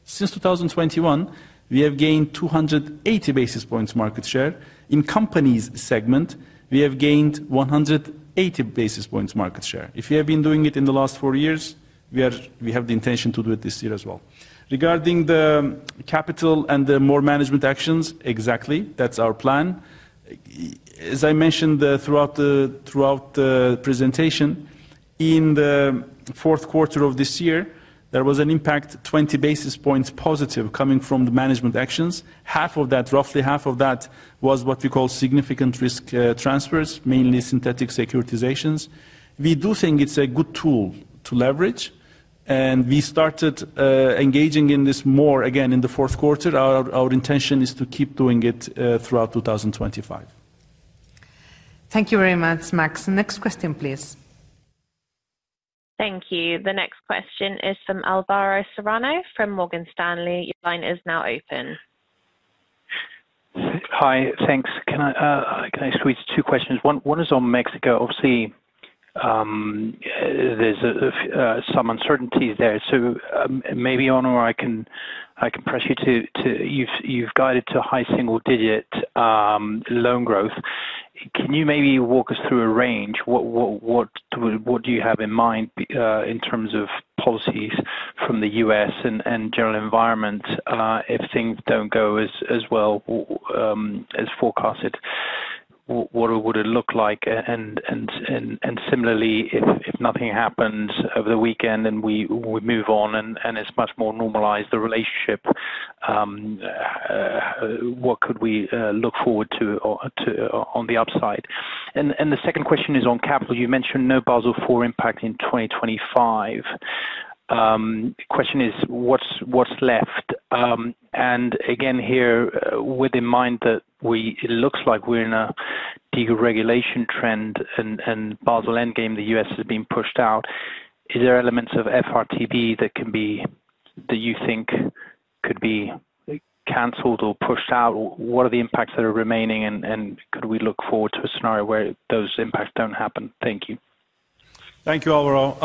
since 2021, we have gained 280 basis points market share. In companies segment, we have gained 180 basis points market share. If you have been doing it in the last four years, we have the intention to do it this year as well. Regarding the capital and the more management actions, exactly, that's our plan. As I mentioned throughout the presentation, in the fourth quarter of this year, there was an impact, 20 basis points positive coming from the management actions. Half of that, roughly half of that, was what we call significant risk transfers, mainly synthetic securitizations. We do think it's a good tool to leverage. And we started engaging in this more again in the fourth quarter. Our intention is to keep doing it throughout 2025. Thank you very much, Maks. Next question, please. Thank you. The next question is from Álvaro Serrano from Morgan Stanley. Your line is now open. Hi, thanks. Can I squeeze two questions? One is on Mexico. Obviously, there's some uncertainty there. So maybe, Onur, I can press you to, you've guided to high single-digit loan growth. Can you maybe walk us through a range? What do you have in mind in terms of policies from the U.S. and general environment? If things don't go as well as forecasted, what would it look like? And similarly, if nothing happens over the weekend and we move on and it's much more normalized, the relationship, what could we look forward to on the upside? And the second question is on capital. You mentioned no Basel IV impact in 2025. The question is, what's left? And again, here, with that in mind that it looks like we're in a deregulation trend and Basel endgame in the U.S. has been pushed out, is there elements of FRTB that you think could be canceled or pushed out? What are the impacts that are remaining and could we look forward to a scenario where those impacts don't happen? Thank you. Thank you, Álvaro.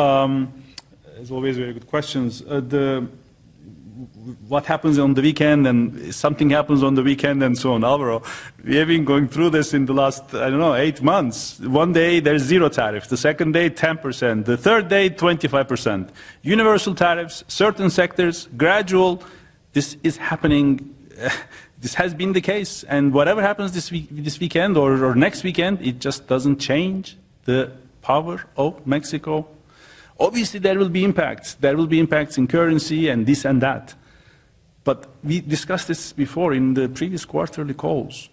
As always, very good questions. What happens on the weekend and something happens on the weekend and so on? Álvaro, we have been going through this in the last, I don't know, eight months. One day, there's zero tariff. The second day, 10%. The third day, 25%. Universal tariffs, certain sectors, gradual. This is happening. This has been the case. And whatever happens this weekend or next weekend, it just doesn't change the power of Mexico. Obviously, there will be impacts. There will be impacts in currency and this and that. But we discussed this before in the previous quarterly calls.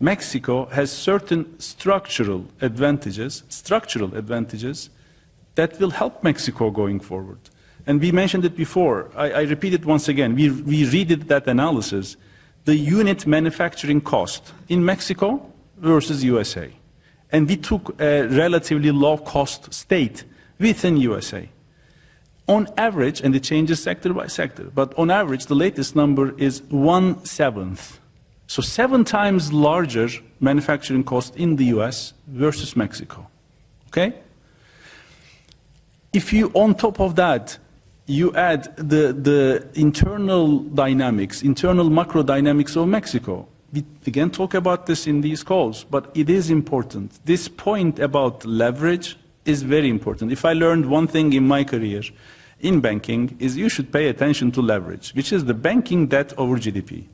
Mexico has certain structural advantages, structural advantages that will help Mexico going forward. And we mentioned it before. I repeat it once again. We read that analysis, the unit manufacturing cost in Mexico versus USA. And we took a relatively low-cost state within USA. On average, and it changes sector by sector, but on average, the latest number is one seventh. So seven times larger manufacturing cost in the U.S. versus Mexico. Okay? If you, on top of that, you add the internal dynamics, internal macro dynamics of Mexico. We again talk about this in these calls, but it is important. This point about leverage is very important. If I learned one thing in my career in banking is you should pay attention to leverage, which is the banking debt over GDP.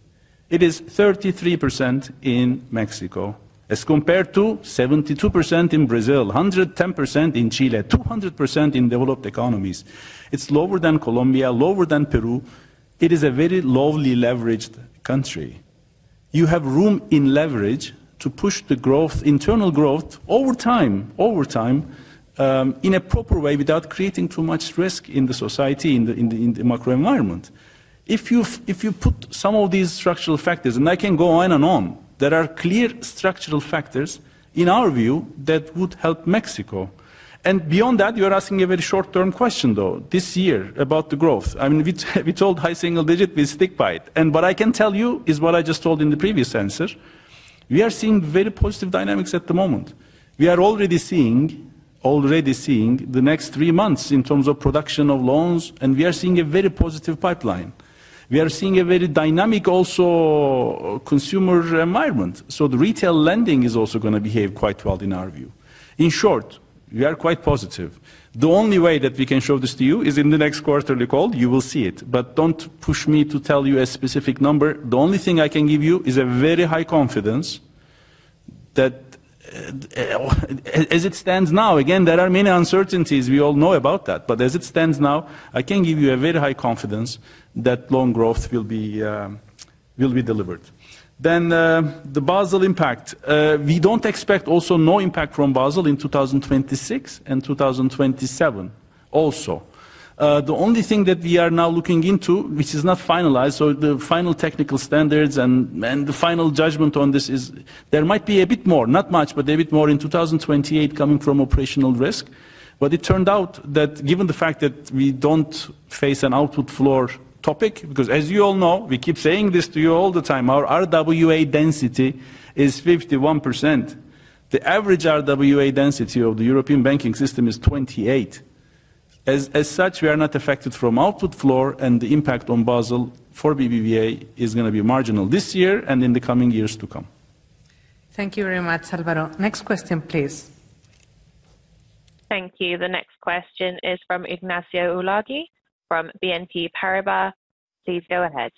It is 33% in Mexico as compared to 72% in Brazil, 110% in Chile, 200% in developed economies. It's lower than Colombia, lower than Peru. It is a very lowly leveraged country. You have room in leverage to push the growth, internal growth over time, over time in a proper way without creating too much risk in the society, in the macro environment. If you put some of these structural factors, and I can go on and on, there are clear structural factors in our view that would help Mexico. And beyond that, you're asking a very short-term question, though, this year about the growth. I mean, we told high single digit, we stick by it. What I can tell you is what I just told in the previous answer. We are seeing very positive dynamics at the moment. We are already seeing the next three months in terms of production of loans, and we are seeing a very positive pipeline. We are seeing a very dynamic also consumer environment. The retail lending is also going to behave quite well in our view. In short, we are quite positive. The only way that we can show this to you is in the next quarterly call. You will see it. Don't push me to tell you a specific number. The only thing I can give you is a very high confidence that as it stands now, again, there are many uncertainties. We all know about that. But as it stands now, I can give you a very high confidence that loan growth will be delivered. Then the Basel impact. We don't expect also no impact from Basel in 2026 and 2027 also. The only thing that we are now looking into, which is not finalized, so the final technical standards and the final judgment on this is there might be a bit more, not much, but a bit more in 2028 coming from operational risk. But it turned out that given the fact that we don't face an output floor topic, because as you all know, we keep saying this to you all the time, our RWA density is 51%. The average RWA density of the European banking system is 28%. As such, we are not affected from output floor, and the impact on Basel for BBVA is going to be marginal this year and in the coming years to come. Thank you very much, Álvaro. Next question, please. Thank you. The next question is from Ignacio Ulargui from BNP Paribas. Please go ahead.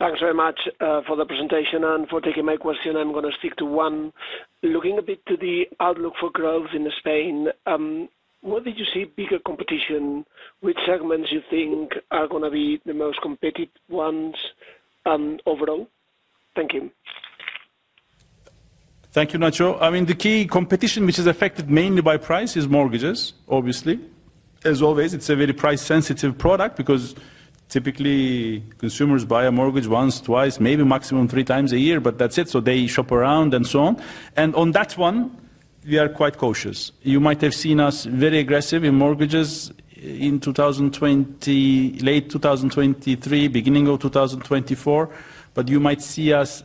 Thanks very much for the presentation and for taking my question. I'm going to stick to one. Looking a bit to the outlook for growth in Spain, what did you see bigger competition? Which segments do you think are going to be the most competitive ones overall? Thank you. Thank you, Nacho. I mean, the key competition, which is affected mainly by price, is mortgages, obviously. As always, it's a very price-sensitive product because typically consumers buy a mortgage once, twice, maybe maximum three times a year, but that's it. So they shop around and so on. On that one, we are quite cautious. You might have seen us very aggressive in mortgages in late 2023, beginning of 2024, but you might see us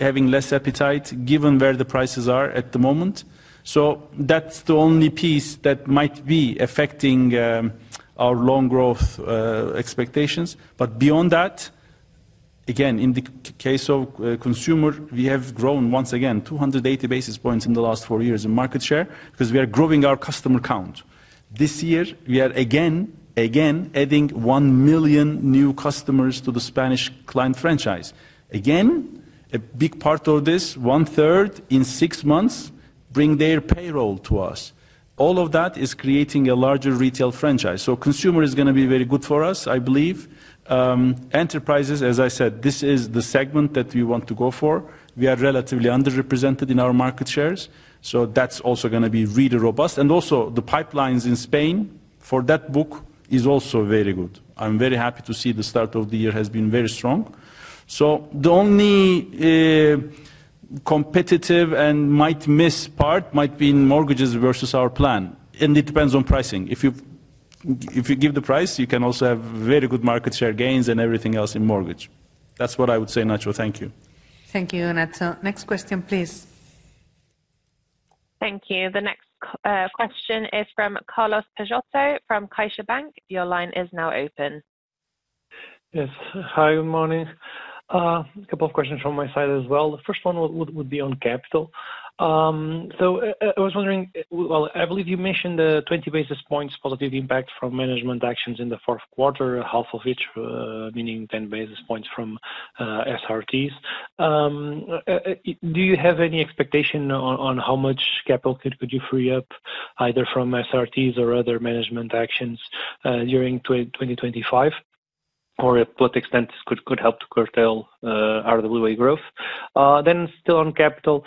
having less appetite given where the prices are at the moment. So that's the only piece that might be affecting our loan growth expectations. But beyond that, again, in the case of consumer, we have grown once again, 280 basis points in the last four years in market share because we are growing our customer count. This year, we are again, again adding one million new customers to the Spanish client franchise. Again, a big part of this, one third in six months, bring their payroll to us. All of that is creating a larger retail franchise. So consumer is going to be very good for us, I believe. Enterprises, as I said, this is the segment that we want to go for. We are relatively underrepresented in our market shares. So that's also going to be really robust. And also the pipelines in Spain for that book is also very good. I'm very happy to see the start of the year has been very strong. So the only competitive and might miss part might be in mortgages versus our plan. And it depends on pricing. If you give the price, you can also have very good market share gains and everything else in mortgage. That's what I would say, Nacho. Thank you. Thank you, Nacho. Next question, please. Thank you. The next question is from Carlos Peixoto from CaixaBank. Your line is now open. Yes. Hi, good morning. A couple of questions from my side as well. The first one would be on capital. I was wondering. Well, I believe you mentioned the 20 basis points positive impact from management actions in the fourth quarter, half of which meaning 10 basis points from SRTs. Do you have any expectation on how much capital could you free up either from SRTs or other management actions during 2025? Or to what extent could help to curtail RWA growth? Then still on capital,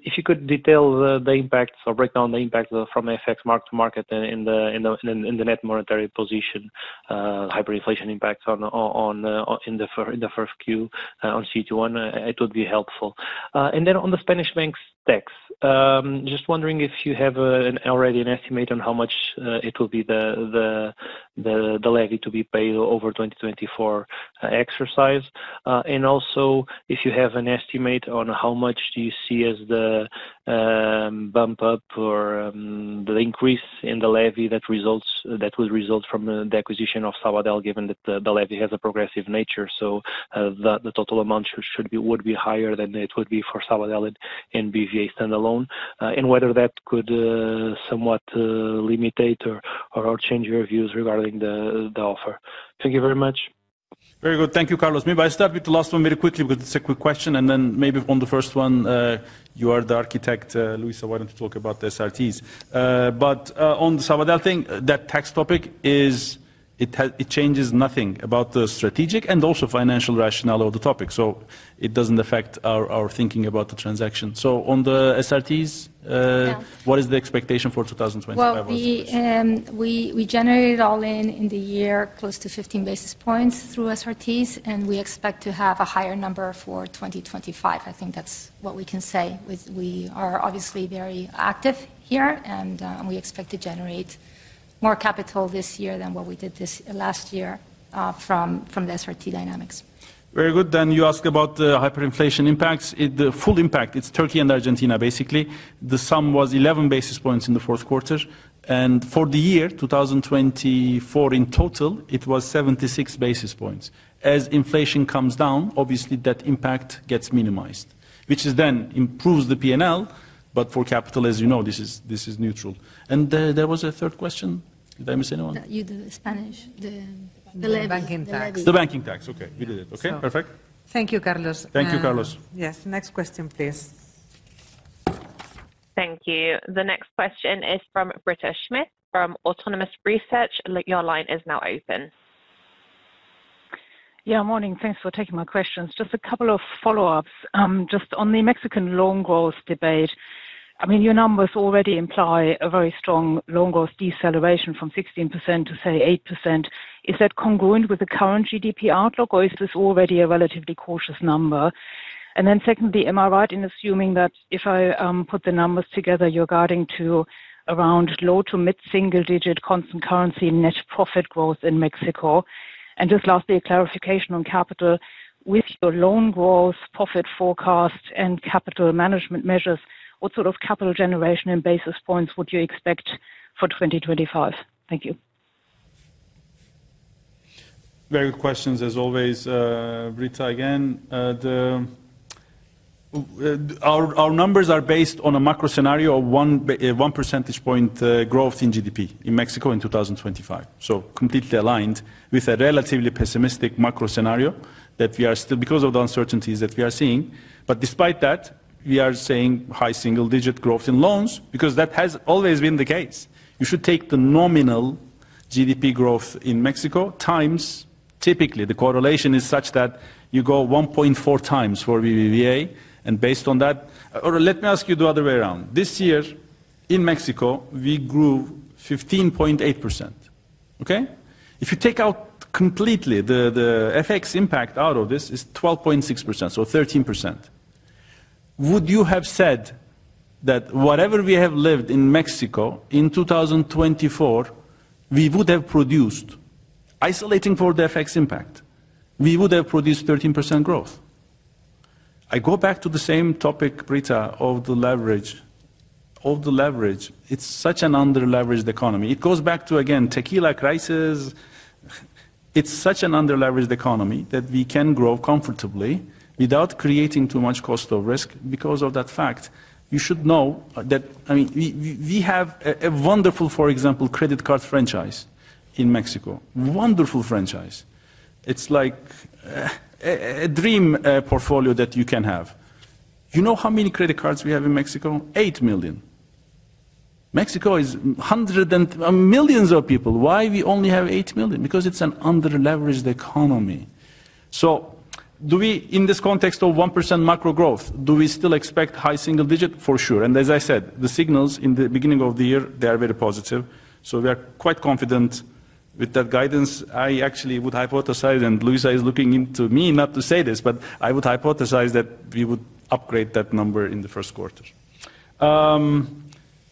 if you could detail the impacts or break down the impacts from FX mark-to-market in the net monetary position, hyperinflation impacts in the first Q on Q2, it would be helpful. And then on the Spanish bank tax, just wondering if you have already an estimate on how much it will be the levy to be paid over 2024 exercise. And also if you have an estimate on how much do you see as the bump up or the increase in the levy that would result from the acquisition of Sabadell, given that the levy has a progressive nature. So the total amount would be higher than it would be for Sabadell and BBVA standalone. And whether that could somewhat limit or change your views regarding the offer. Thank you very much. Very good. Thank you, Carlos. Maybe I start with the last one very quickly because it's a quick question. And then maybe on the first one, you are the architect, Luisa, why don't you talk about the SRTs? But on the Sabadell thing, that tax topic, it changes nothing about the strategic and also financial rationale of the topic. So it doesn't affect our thinking about the transaction. So on the SRTs, what is the expectation for 2025? Well, we generated all in the year close to 15 basis points through SRTs, and we expect to have a higher number for 2025. I think that's what we can say. We are obviously very active here, and we expect to generate more capital this year than what we did last year from the SRT dynamics. Very good. Then you ask about the hyperinflation impacts. The full impact, it's Turkey and Argentina, basically. The sum was 11 basis points in the fourth quarter. And for the year 2024 in total, it was 76 basis points. As inflation comes down, obviously that impact gets minimized, which then improves the P&L, but for capital, as you know, this is neutral. And there was a third question. Did I miss anyone? You do Spanish. The banking tax. The banking tax. Okay. We did it. Okay. Perfect. Thank you, Carlos. Thank you, Carlos. Yes. Next question, please. Thank you. The next question is from Britta Schmidt from Autonomous Research. Your line is now open. Yeah, morning. Thanks for taking my questions. Just a couple of follow-ups. Just on the Mexican loan growth debate, I mean, your numbers already imply a very strong loan growth deceleration from 16% to, say, 8%. Is that congruent with the current GDP outlook, or is this already a relatively cautious number? And then secondly, am I right in assuming that if I put the numbers together, you're guiding to around low to mid single-digit constant currency net profit growth in Mexico? And just lastly, a clarification on capital. With your loan growth, profit forecast, and capital management measures, what sort of capital generation in basis points would you expect for 2025? Thank you. Very good questions, as always. Britta, again, our numbers are based on a macro scenario of one percentage point growth in GDP in Mexico in 2025. So completely aligned with a relatively pessimistic macro scenario that we are still, because of the uncertainties that we are seeing. But despite that, we are seeing high single-digit growth in loans because that has always been the case. You should take the nominal GDP growth in Mexico times, typically the correlation is such that you go 1.4 times for BBVA. And based on that, or let me ask you the other way around. This year in Mexico, we grew 15.8%. Okay? If you take out completely the FX impact out of this, it's 12.6%, so 13%. Would you have said that whatever we have lived in Mexico in 2024, isolating for the FX impact, we would have produced 13% growth? I go back to the same topic, Britta, of the leverage. Of the leverage, it's such an underleveraged economy. It goes back to, again, Tequila Crisis. It's such an underleveraged economy that we can grow comfortably without creating too much cost of risk because of that fact. You should know that, I mean, we have a wonderful, for example, credit card franchise in Mexico. Wonderful franchise. It's like a dream portfolio that you can have. You know how many credit cards we have in Mexico? Eight million. Mexico is hundreds of millions of people. Why do we only have eight million? Because it's an underleveraged economy. So do we, in this context of 1% macro growth, do we still expect high single digit? For sure. And as I said, the signals in the beginning of the year, they are very positive. So we are quite confident with that guidance. I actually would hypothesize, and Luisa is looking into me not to say this, but I would hypothesize that we would upgrade that number in the first quarter.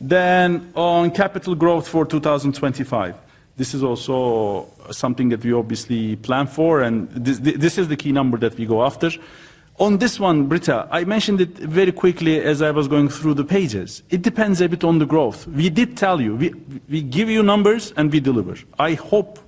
Then on capital growth for 2025, this is also something that we obviously plan for, and this is the key number that we go after. On this one, Britta, I mentioned it very quickly as I was going through the pages. It depends a bit on the growth. We did tell you, we give you numbers and we deliver. I hope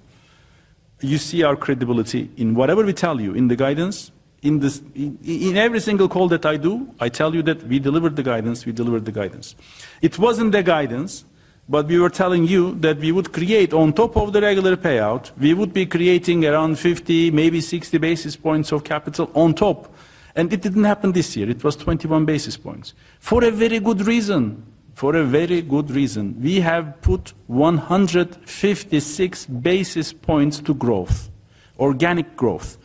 you see our credibility in whatever we tell you in the guidance. In every single call that I do, I tell you that we delivered the guidance, we delivered the guidance. It wasn't the guidance, but we were telling you that we would create on top of the regular payout, we would be creating around 50, maybe 60 basis points of capital on top. And it didn't happen this year. It was 21 basis points. For a very good reason. For a very good reason, we have put 156 basis points to growth, organic growth.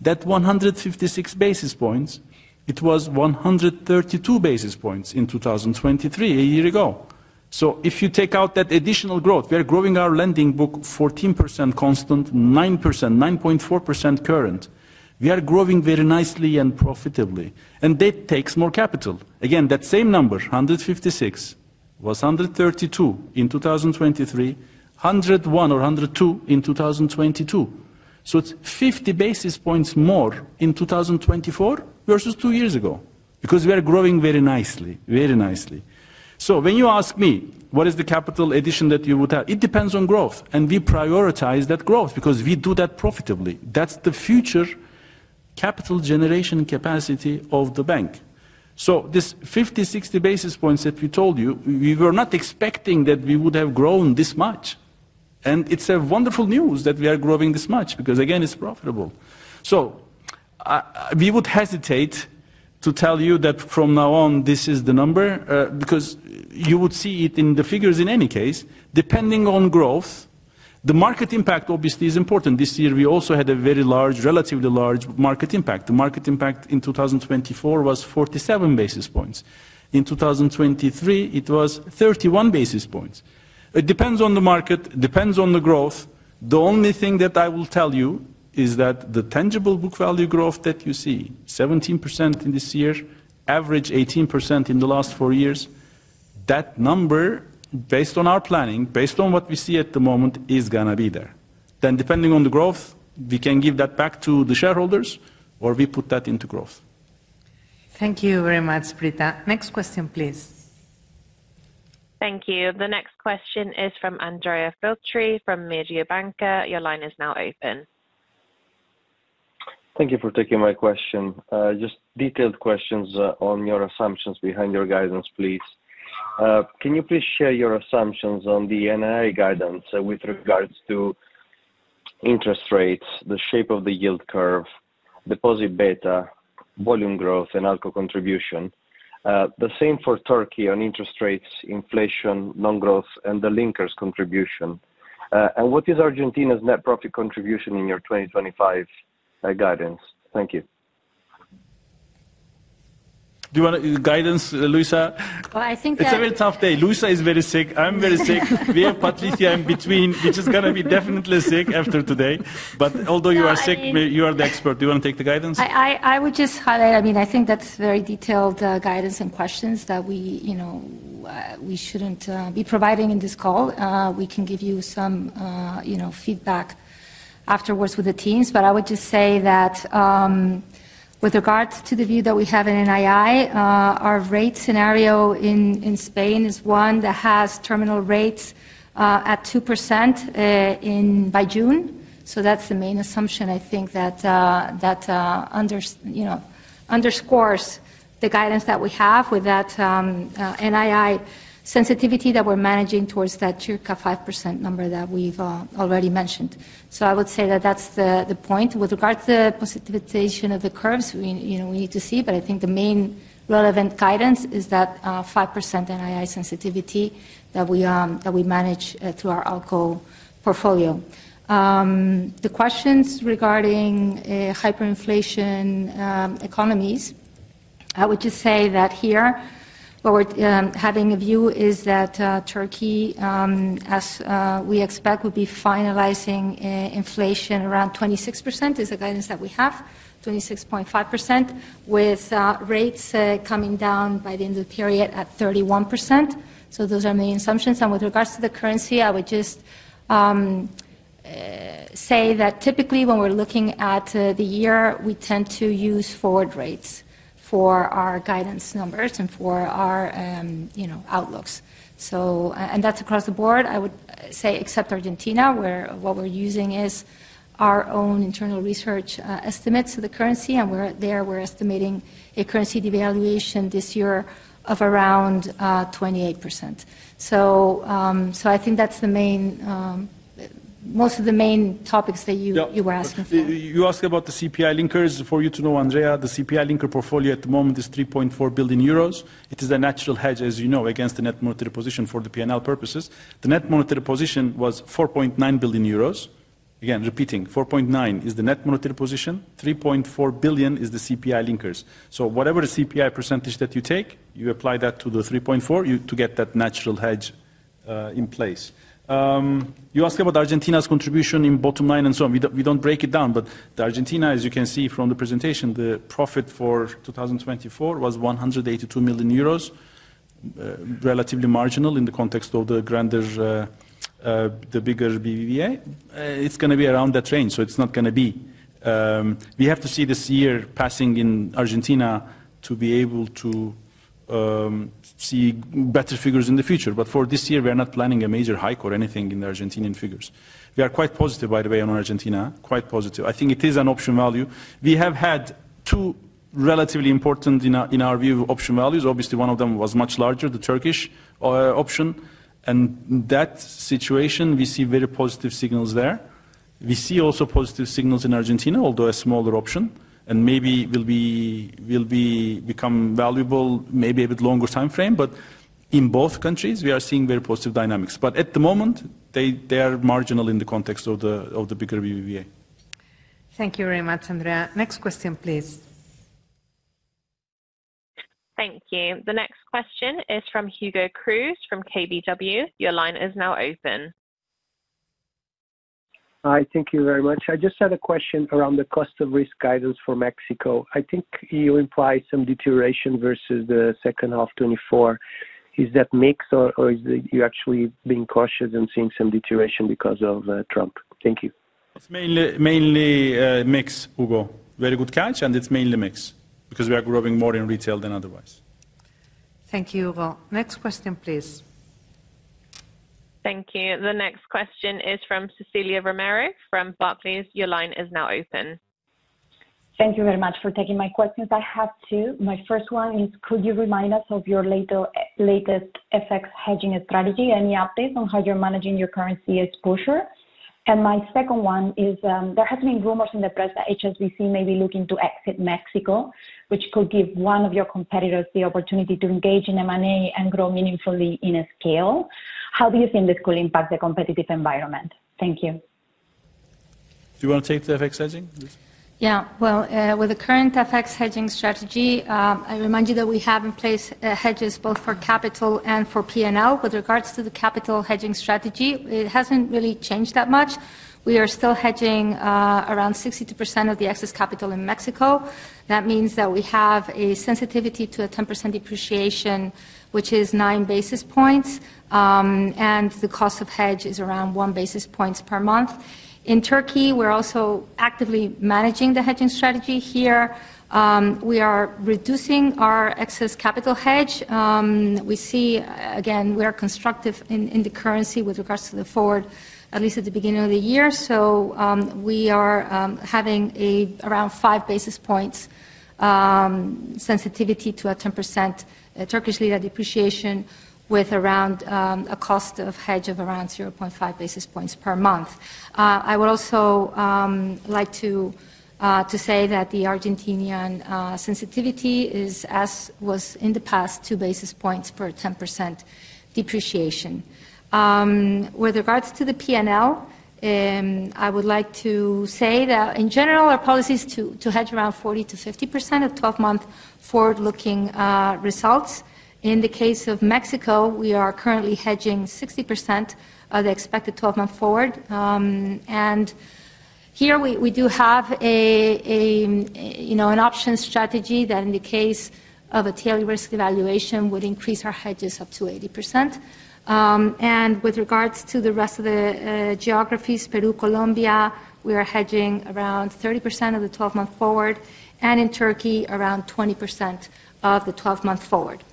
That 156 basis points, it was 132 basis points in 2023, a year ago. So if you take out that additional growth, we are growing our lending book 14% constant, 9%, 9.4% current. We are growing very nicely and profitably. And that takes more capital. Again, that same number, 156, was 132 in 2023, 101 or 102 in 2022. So it's 50 basis points more in 2024 versus two years ago because we are growing very nicely, very nicely. So when you ask me what is the capital addition that you would have, it depends on growth. And we prioritize that growth because we do that profitably. That's the future capital generation capacity of the bank. So this 50, 60 basis points that we told you, we were not expecting that we would have grown this much. And it's wonderful news that we are growing this much because, again, it's profitable. So we would hesitate to tell you that from now on, this is the number because you would see it in the figures in any case. Depending on growth, the market impact obviously is important. This year, we also had a very large, relatively large market impact. The market impact in 2024 was 47 basis points. In 2023, it was 31 basis points. It depends on the market, depends on the growth. The only thing that I will tell you is that the tangible book value growth that you see, 17% in this year, average 18% in the last four years, that number, based on our planning, based on what we see at the moment, is going to be there. Then depending on the growth, we can give that back to the shareholders or we put that into growth. Thank you very much, Britta. Next question, please. Thank you. The next question is from Andrea Filtri from Mediobanca. Your line is now open. Thank you for taking my question. Just detailed questions on your assumptions behind your guidance, please. Can you please share your assumptions on the NII guidance with regards to interest rates, the shape of the yield curve, deposit beta, volume growth, and income contribution? The same for Turkey on interest rates, inflation, volume growth, and the linkers contribution. And what is Argentina's net profit contribution in your 2025 guidance? Thank you. Do you want guidance, Luisa? Well, I think that it's a very tough day. Luisa is very sick. I'm very sick. Me and Patricia in between. We're just going to be definitely sick after today. But although you are sick, you are the expert. Do you want to take the guidance? I would just highlight, I mean, I think that's very detailed guidance and questions that we shouldn't be providing in this call. We can give you some feedback afterwards with the teams. But I would just say that with regards to the view that we have in NII, our rate scenario in Spain is one that has terminal rates at 2% by June. So that's the main assumption, I think, that underscores the guidance that we have with that NII sensitivity that we're managing towards that circa 5% number that we've already mentioned. So I would say that that's the point. With regards to the positivization of the curves, we need to see, but I think the main relevant guidance is that 5% NII sensitivity that we manage through our ALCO portfolio. The questions regarding hyperinflation economies, I would just say that here, what we're having a view is that Turkey, as we expect, would be finalizing inflation around 26% is the guidance that we have, 26.5%, with rates coming down by the end of the period at 31%. So those are my assumptions. And with regards to the currency, I would just say that typically when we're looking at the year, we tend to use forward rates for our guidance numbers and for our outlooks. And that's across the board. I would say, except Argentina, where what we're using is our own internal research estimates of the currency. And there, we're estimating a currency devaluation this year of around 28%. So I think that's the main, most of the main topics that you were asking for. You asked about the CPI linkers. For you to know, Andrea, the CPI linker portfolio at the moment is 3.4 billion euros. It is a natural hedge, as you know, against the net monetary position for the P&L purposes. The net monetary position was 4.9 billion euros. Again, repeating, 4.9 is the net monetary position. 3.4 billion is the CPI linkers. So whatever CPI percentage that you take, you apply that to the 3.4 to get that natural hedge in place. You asked about Argentina's contribution in bottom line and so on. We don't break it down, but the Argentina, as you can see from the presentation, the profit for 2024 was 182 million euros, relatively marginal in the context of the grander BBVA. It's going to be around that range. So it's not going to be. We have to see this year passing in Argentina to be able to see better figures in the future. But for this year, we are not planning a major hike or anything in the Argentinian figures. We are quite positive, by the way, on Argentina, quite positive. I think it is an option value. We have had two relatively important in our view option values. Obviously, one of them was much larger, the Turkish option. And in that situation, we see very positive signals there. We see also positive signals in Argentina, although a smaller option, and maybe will become valuable, maybe a bit longer time frame. But in both countries, we are seeing very positive dynamics. But at the moment, they are marginal in the context of the bigger BBVA. Thank you very much, Andrea. Next question, please. Thank you. The next question is from Hugo Cruz from KBW. Your line is now open. Hi, thank you very much. I just had a question around the cost of risk guidance for Mexico. I think you imply some deterioration versus the second half 2024. Is that mix or are you actually being cautious and seeing some deterioration because of Trump? Thank you. It's mainly mix, Hugo. Very good catch, and it's mainly mix because we are growing more in retail than otherwise. Thank you, Hugo. Next question, please. Thank you. The next question is from Cecilia Romero from Barclays. Your line is now open. Thank you very much for taking my questions. I have two. My first one is, could you remind us of your latest FX hedging strategy? Any updates on how you're managing your currency exposure? And my second one is, there have been rumors in the press that HSBC may be looking to exit Mexico, which could give one of your competitors the opportunity to engage in M&A and grow meaningfully in a scale. How do you think this could impact the competitive environment? Thank you. Do you want to take the FX hedging? Yeah. With the current FX hedging strategy, I remind you that we have in place hedges both for capital and for P&L. With regards to the capital hedging strategy, it hasn't really changed that much. We are still hedging around 62% of the excess capital in Mexico. That means that we have a sensitivity to a 10% depreciation, which is 9 basis points, and the cost of hedge is around 1 basis points per month. In Turkey, we're also actively managing the hedging strategy here. We are reducing our excess capital hedge. We see, again, we are constructive in the currency with regards to the forward, at least at the beginning of the year, so we are having around 5 basis points sensitivity to a 10% Turkish lira depreciation with around a cost of hedge of around 0.5 basis points per month. I would also like to say that the Argentinian sensitivity is, as was in the past, two basis points per 10% depreciation. With regards to the P&L, I would like to say that in general, our policy is to hedge around 40%-50% of 12-month forward-looking results. In the case of Mexico, we are currently hedging 60% of the expected 12-month forward. Here, we do have an option strategy that, in the case of a tail risk devaluation, would increase our hedges up to 80%. With regards to the rest of the geographies, Peru, Colombia, we are hedging around 30% of the 12-month forward. In Turkey, around 20% of the 12-month forward.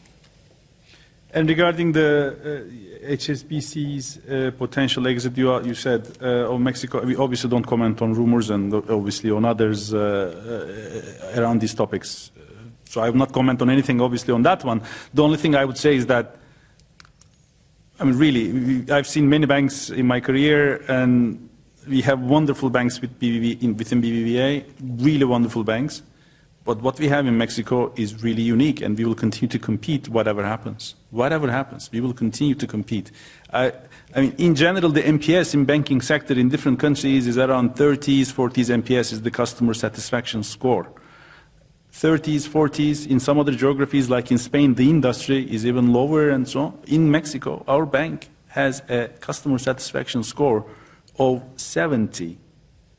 Regarding the HSBC's potential exit, you said on Mexico, we obviously don't comment on rumors and obviously on others around these topics. I will not comment on anything obviously on that one. The only thing I would say is that, I mean, really, I've seen many banks in my career, and we have wonderful banks within BBVA, really wonderful banks, but what we have in Mexico is really unique, and we will continue to compete whatever happens. Whatever happens, we will continue to compete. I mean, in general, the NPS in banking sector in different countries is around 30s, 40s. NPS is the customer satisfaction score. 30s, 40s, in some other geographies like in Spain, the industry is even lower and so on. In Mexico, our bank has a customer satisfaction score of 70,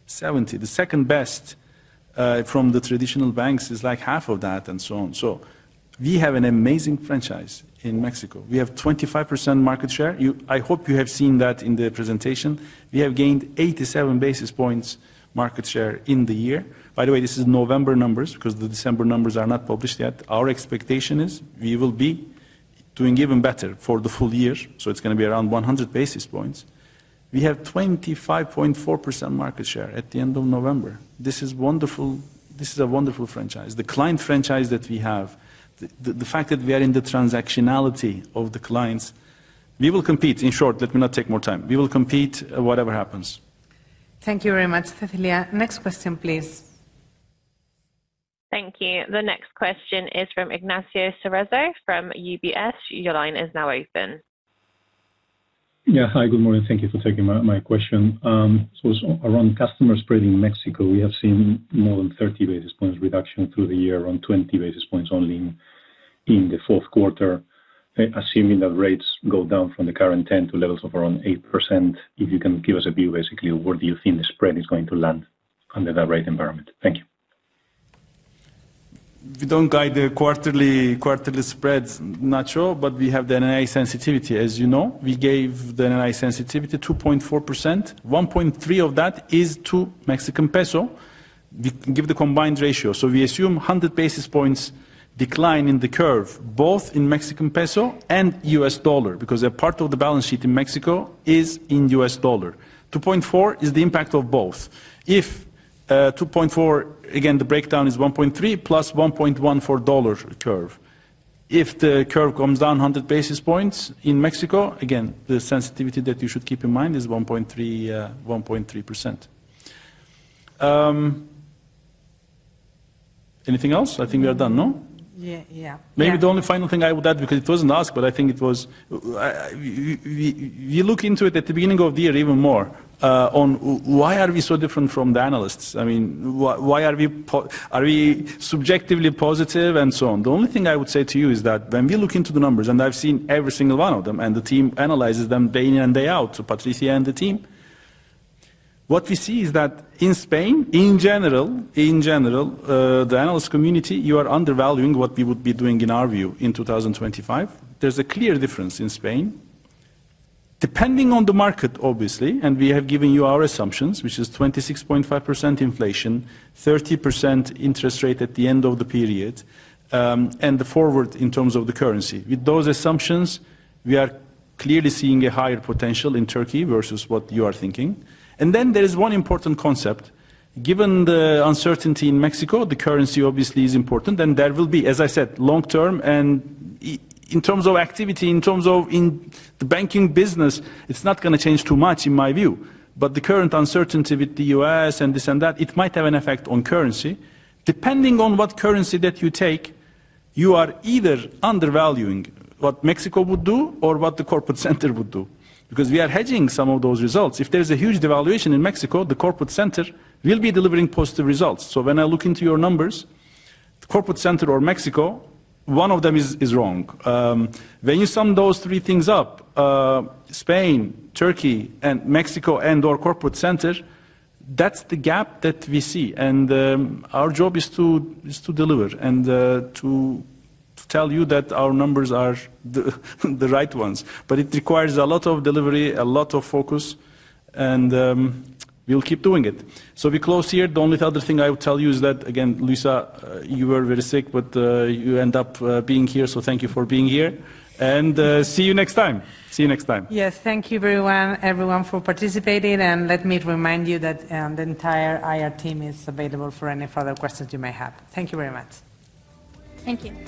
70. The second best from the traditional banks is like half of that and so on. So we have an amazing franchise in Mexico. We have 25% market share. I hope you have seen that in the presentation. We have gained 87 basis points market share in the year. By the way, this is November numbers because the December numbers are not published yet. Our expectation is we will be doing even better for the full year. So it's going to be around 100 basis points. We have 25.4% market share at the end of November. This is wonderful. This is a wonderful franchise. The client franchise that we have, the fact that we are in the transactionality of the clients, we will compete. In short, let me not take more time. We will compete whatever happens. Thank you very much, Cecilia. Next question, please. Thank you. The next question is from Ignacio Cerezo from UBS. Your line is now open. Yeah. Hi, good morning. Thank you for taking my question. So it's around customer spread in Mexico. We have seen more than 30 basis points reduction through the year, around 20 basis points only in the fourth quarter. Assuming that rates go down from the current 10% to levels of around 8%, if you can give us a view, basically, where do you think the spread is going to land under that rate environment? Thank you. We don't guide the quarterly spreads, Nacho, but we have the NII sensitivity, as you know. We gave the NII sensitivity 2.4%. 1.3 of that is to Mexican peso. We give the combined ratio. So we assume 100 basis points decline in the curve, both in Mexican peso and U.S. dollar, because a part of the balance sheet in Mexico is in U.S. dollar. 2.4 is the impact of both. If 2.4, again, the breakdown is 1.3 plus 1.1 for dollar curve. If the curve comes down 100 basis points in Mexico, again, the sensitivity that you should keep in mind is 1.3%. Anything else? I think we are done, no? Yeah. Maybe the only final thing I would add, because it wasn't asked, but I think it was. We look into it at the beginning of the year even more on why are we so different from the analysts? I mean, why are we subjectively positive and so on? The only thing I would say to you is that when we look into the numbers, and I've seen every single one of them, and the team analyzes them day in and day out to Patricia and the team, what we see is that in Spain, in general, in general, the analyst community, you are undervaluing what we would be doing in our view in 2025. There's a clear difference in Spain, depending on the market, obviously, and we have given you our assumptions, which is 26.5% inflation, 30% interest rate at the end of the period, and the forward in terms of the currency. With those assumptions, we are clearly seeing a higher potential in Turkey versus what you are thinking. And then there is one important concept. Given the uncertainty in Mexico, the currency obviously is important, and there will be, as I said, long term, and in terms of activity, in terms of the banking business, it's not going to change too much in my view. But the current uncertainty with the U.S. and this and that, it might have an effect on currency. Depending on what currency that you take, you are either undervaluing what Mexico would do or what the corporate center would do, because we are hedging some of those results. If there's a huge devaluation in Mexico, the corporate center will be delivering positive results. So when I look into your numbers, the corporate center or Mexico, one of them is wrong. When you sum those three things up, Spain, Turkey, and Mexico and our corporate center, that's the gap that we see. And our job is to deliver and to tell you that our numbers are the right ones. But it requires a lot of delivery, a lot of focus, and we'll keep doing it. So we close here. The only other thing I would tell you is that, again, Luisa, you were very sick, but you end up being here, so thank you for being here. And see you next time. See you next time. Yes. Thank you, everyone, for participating. And let me remind you that the entire IR team is available for any further questions you may have. Thank you very much. Thank you.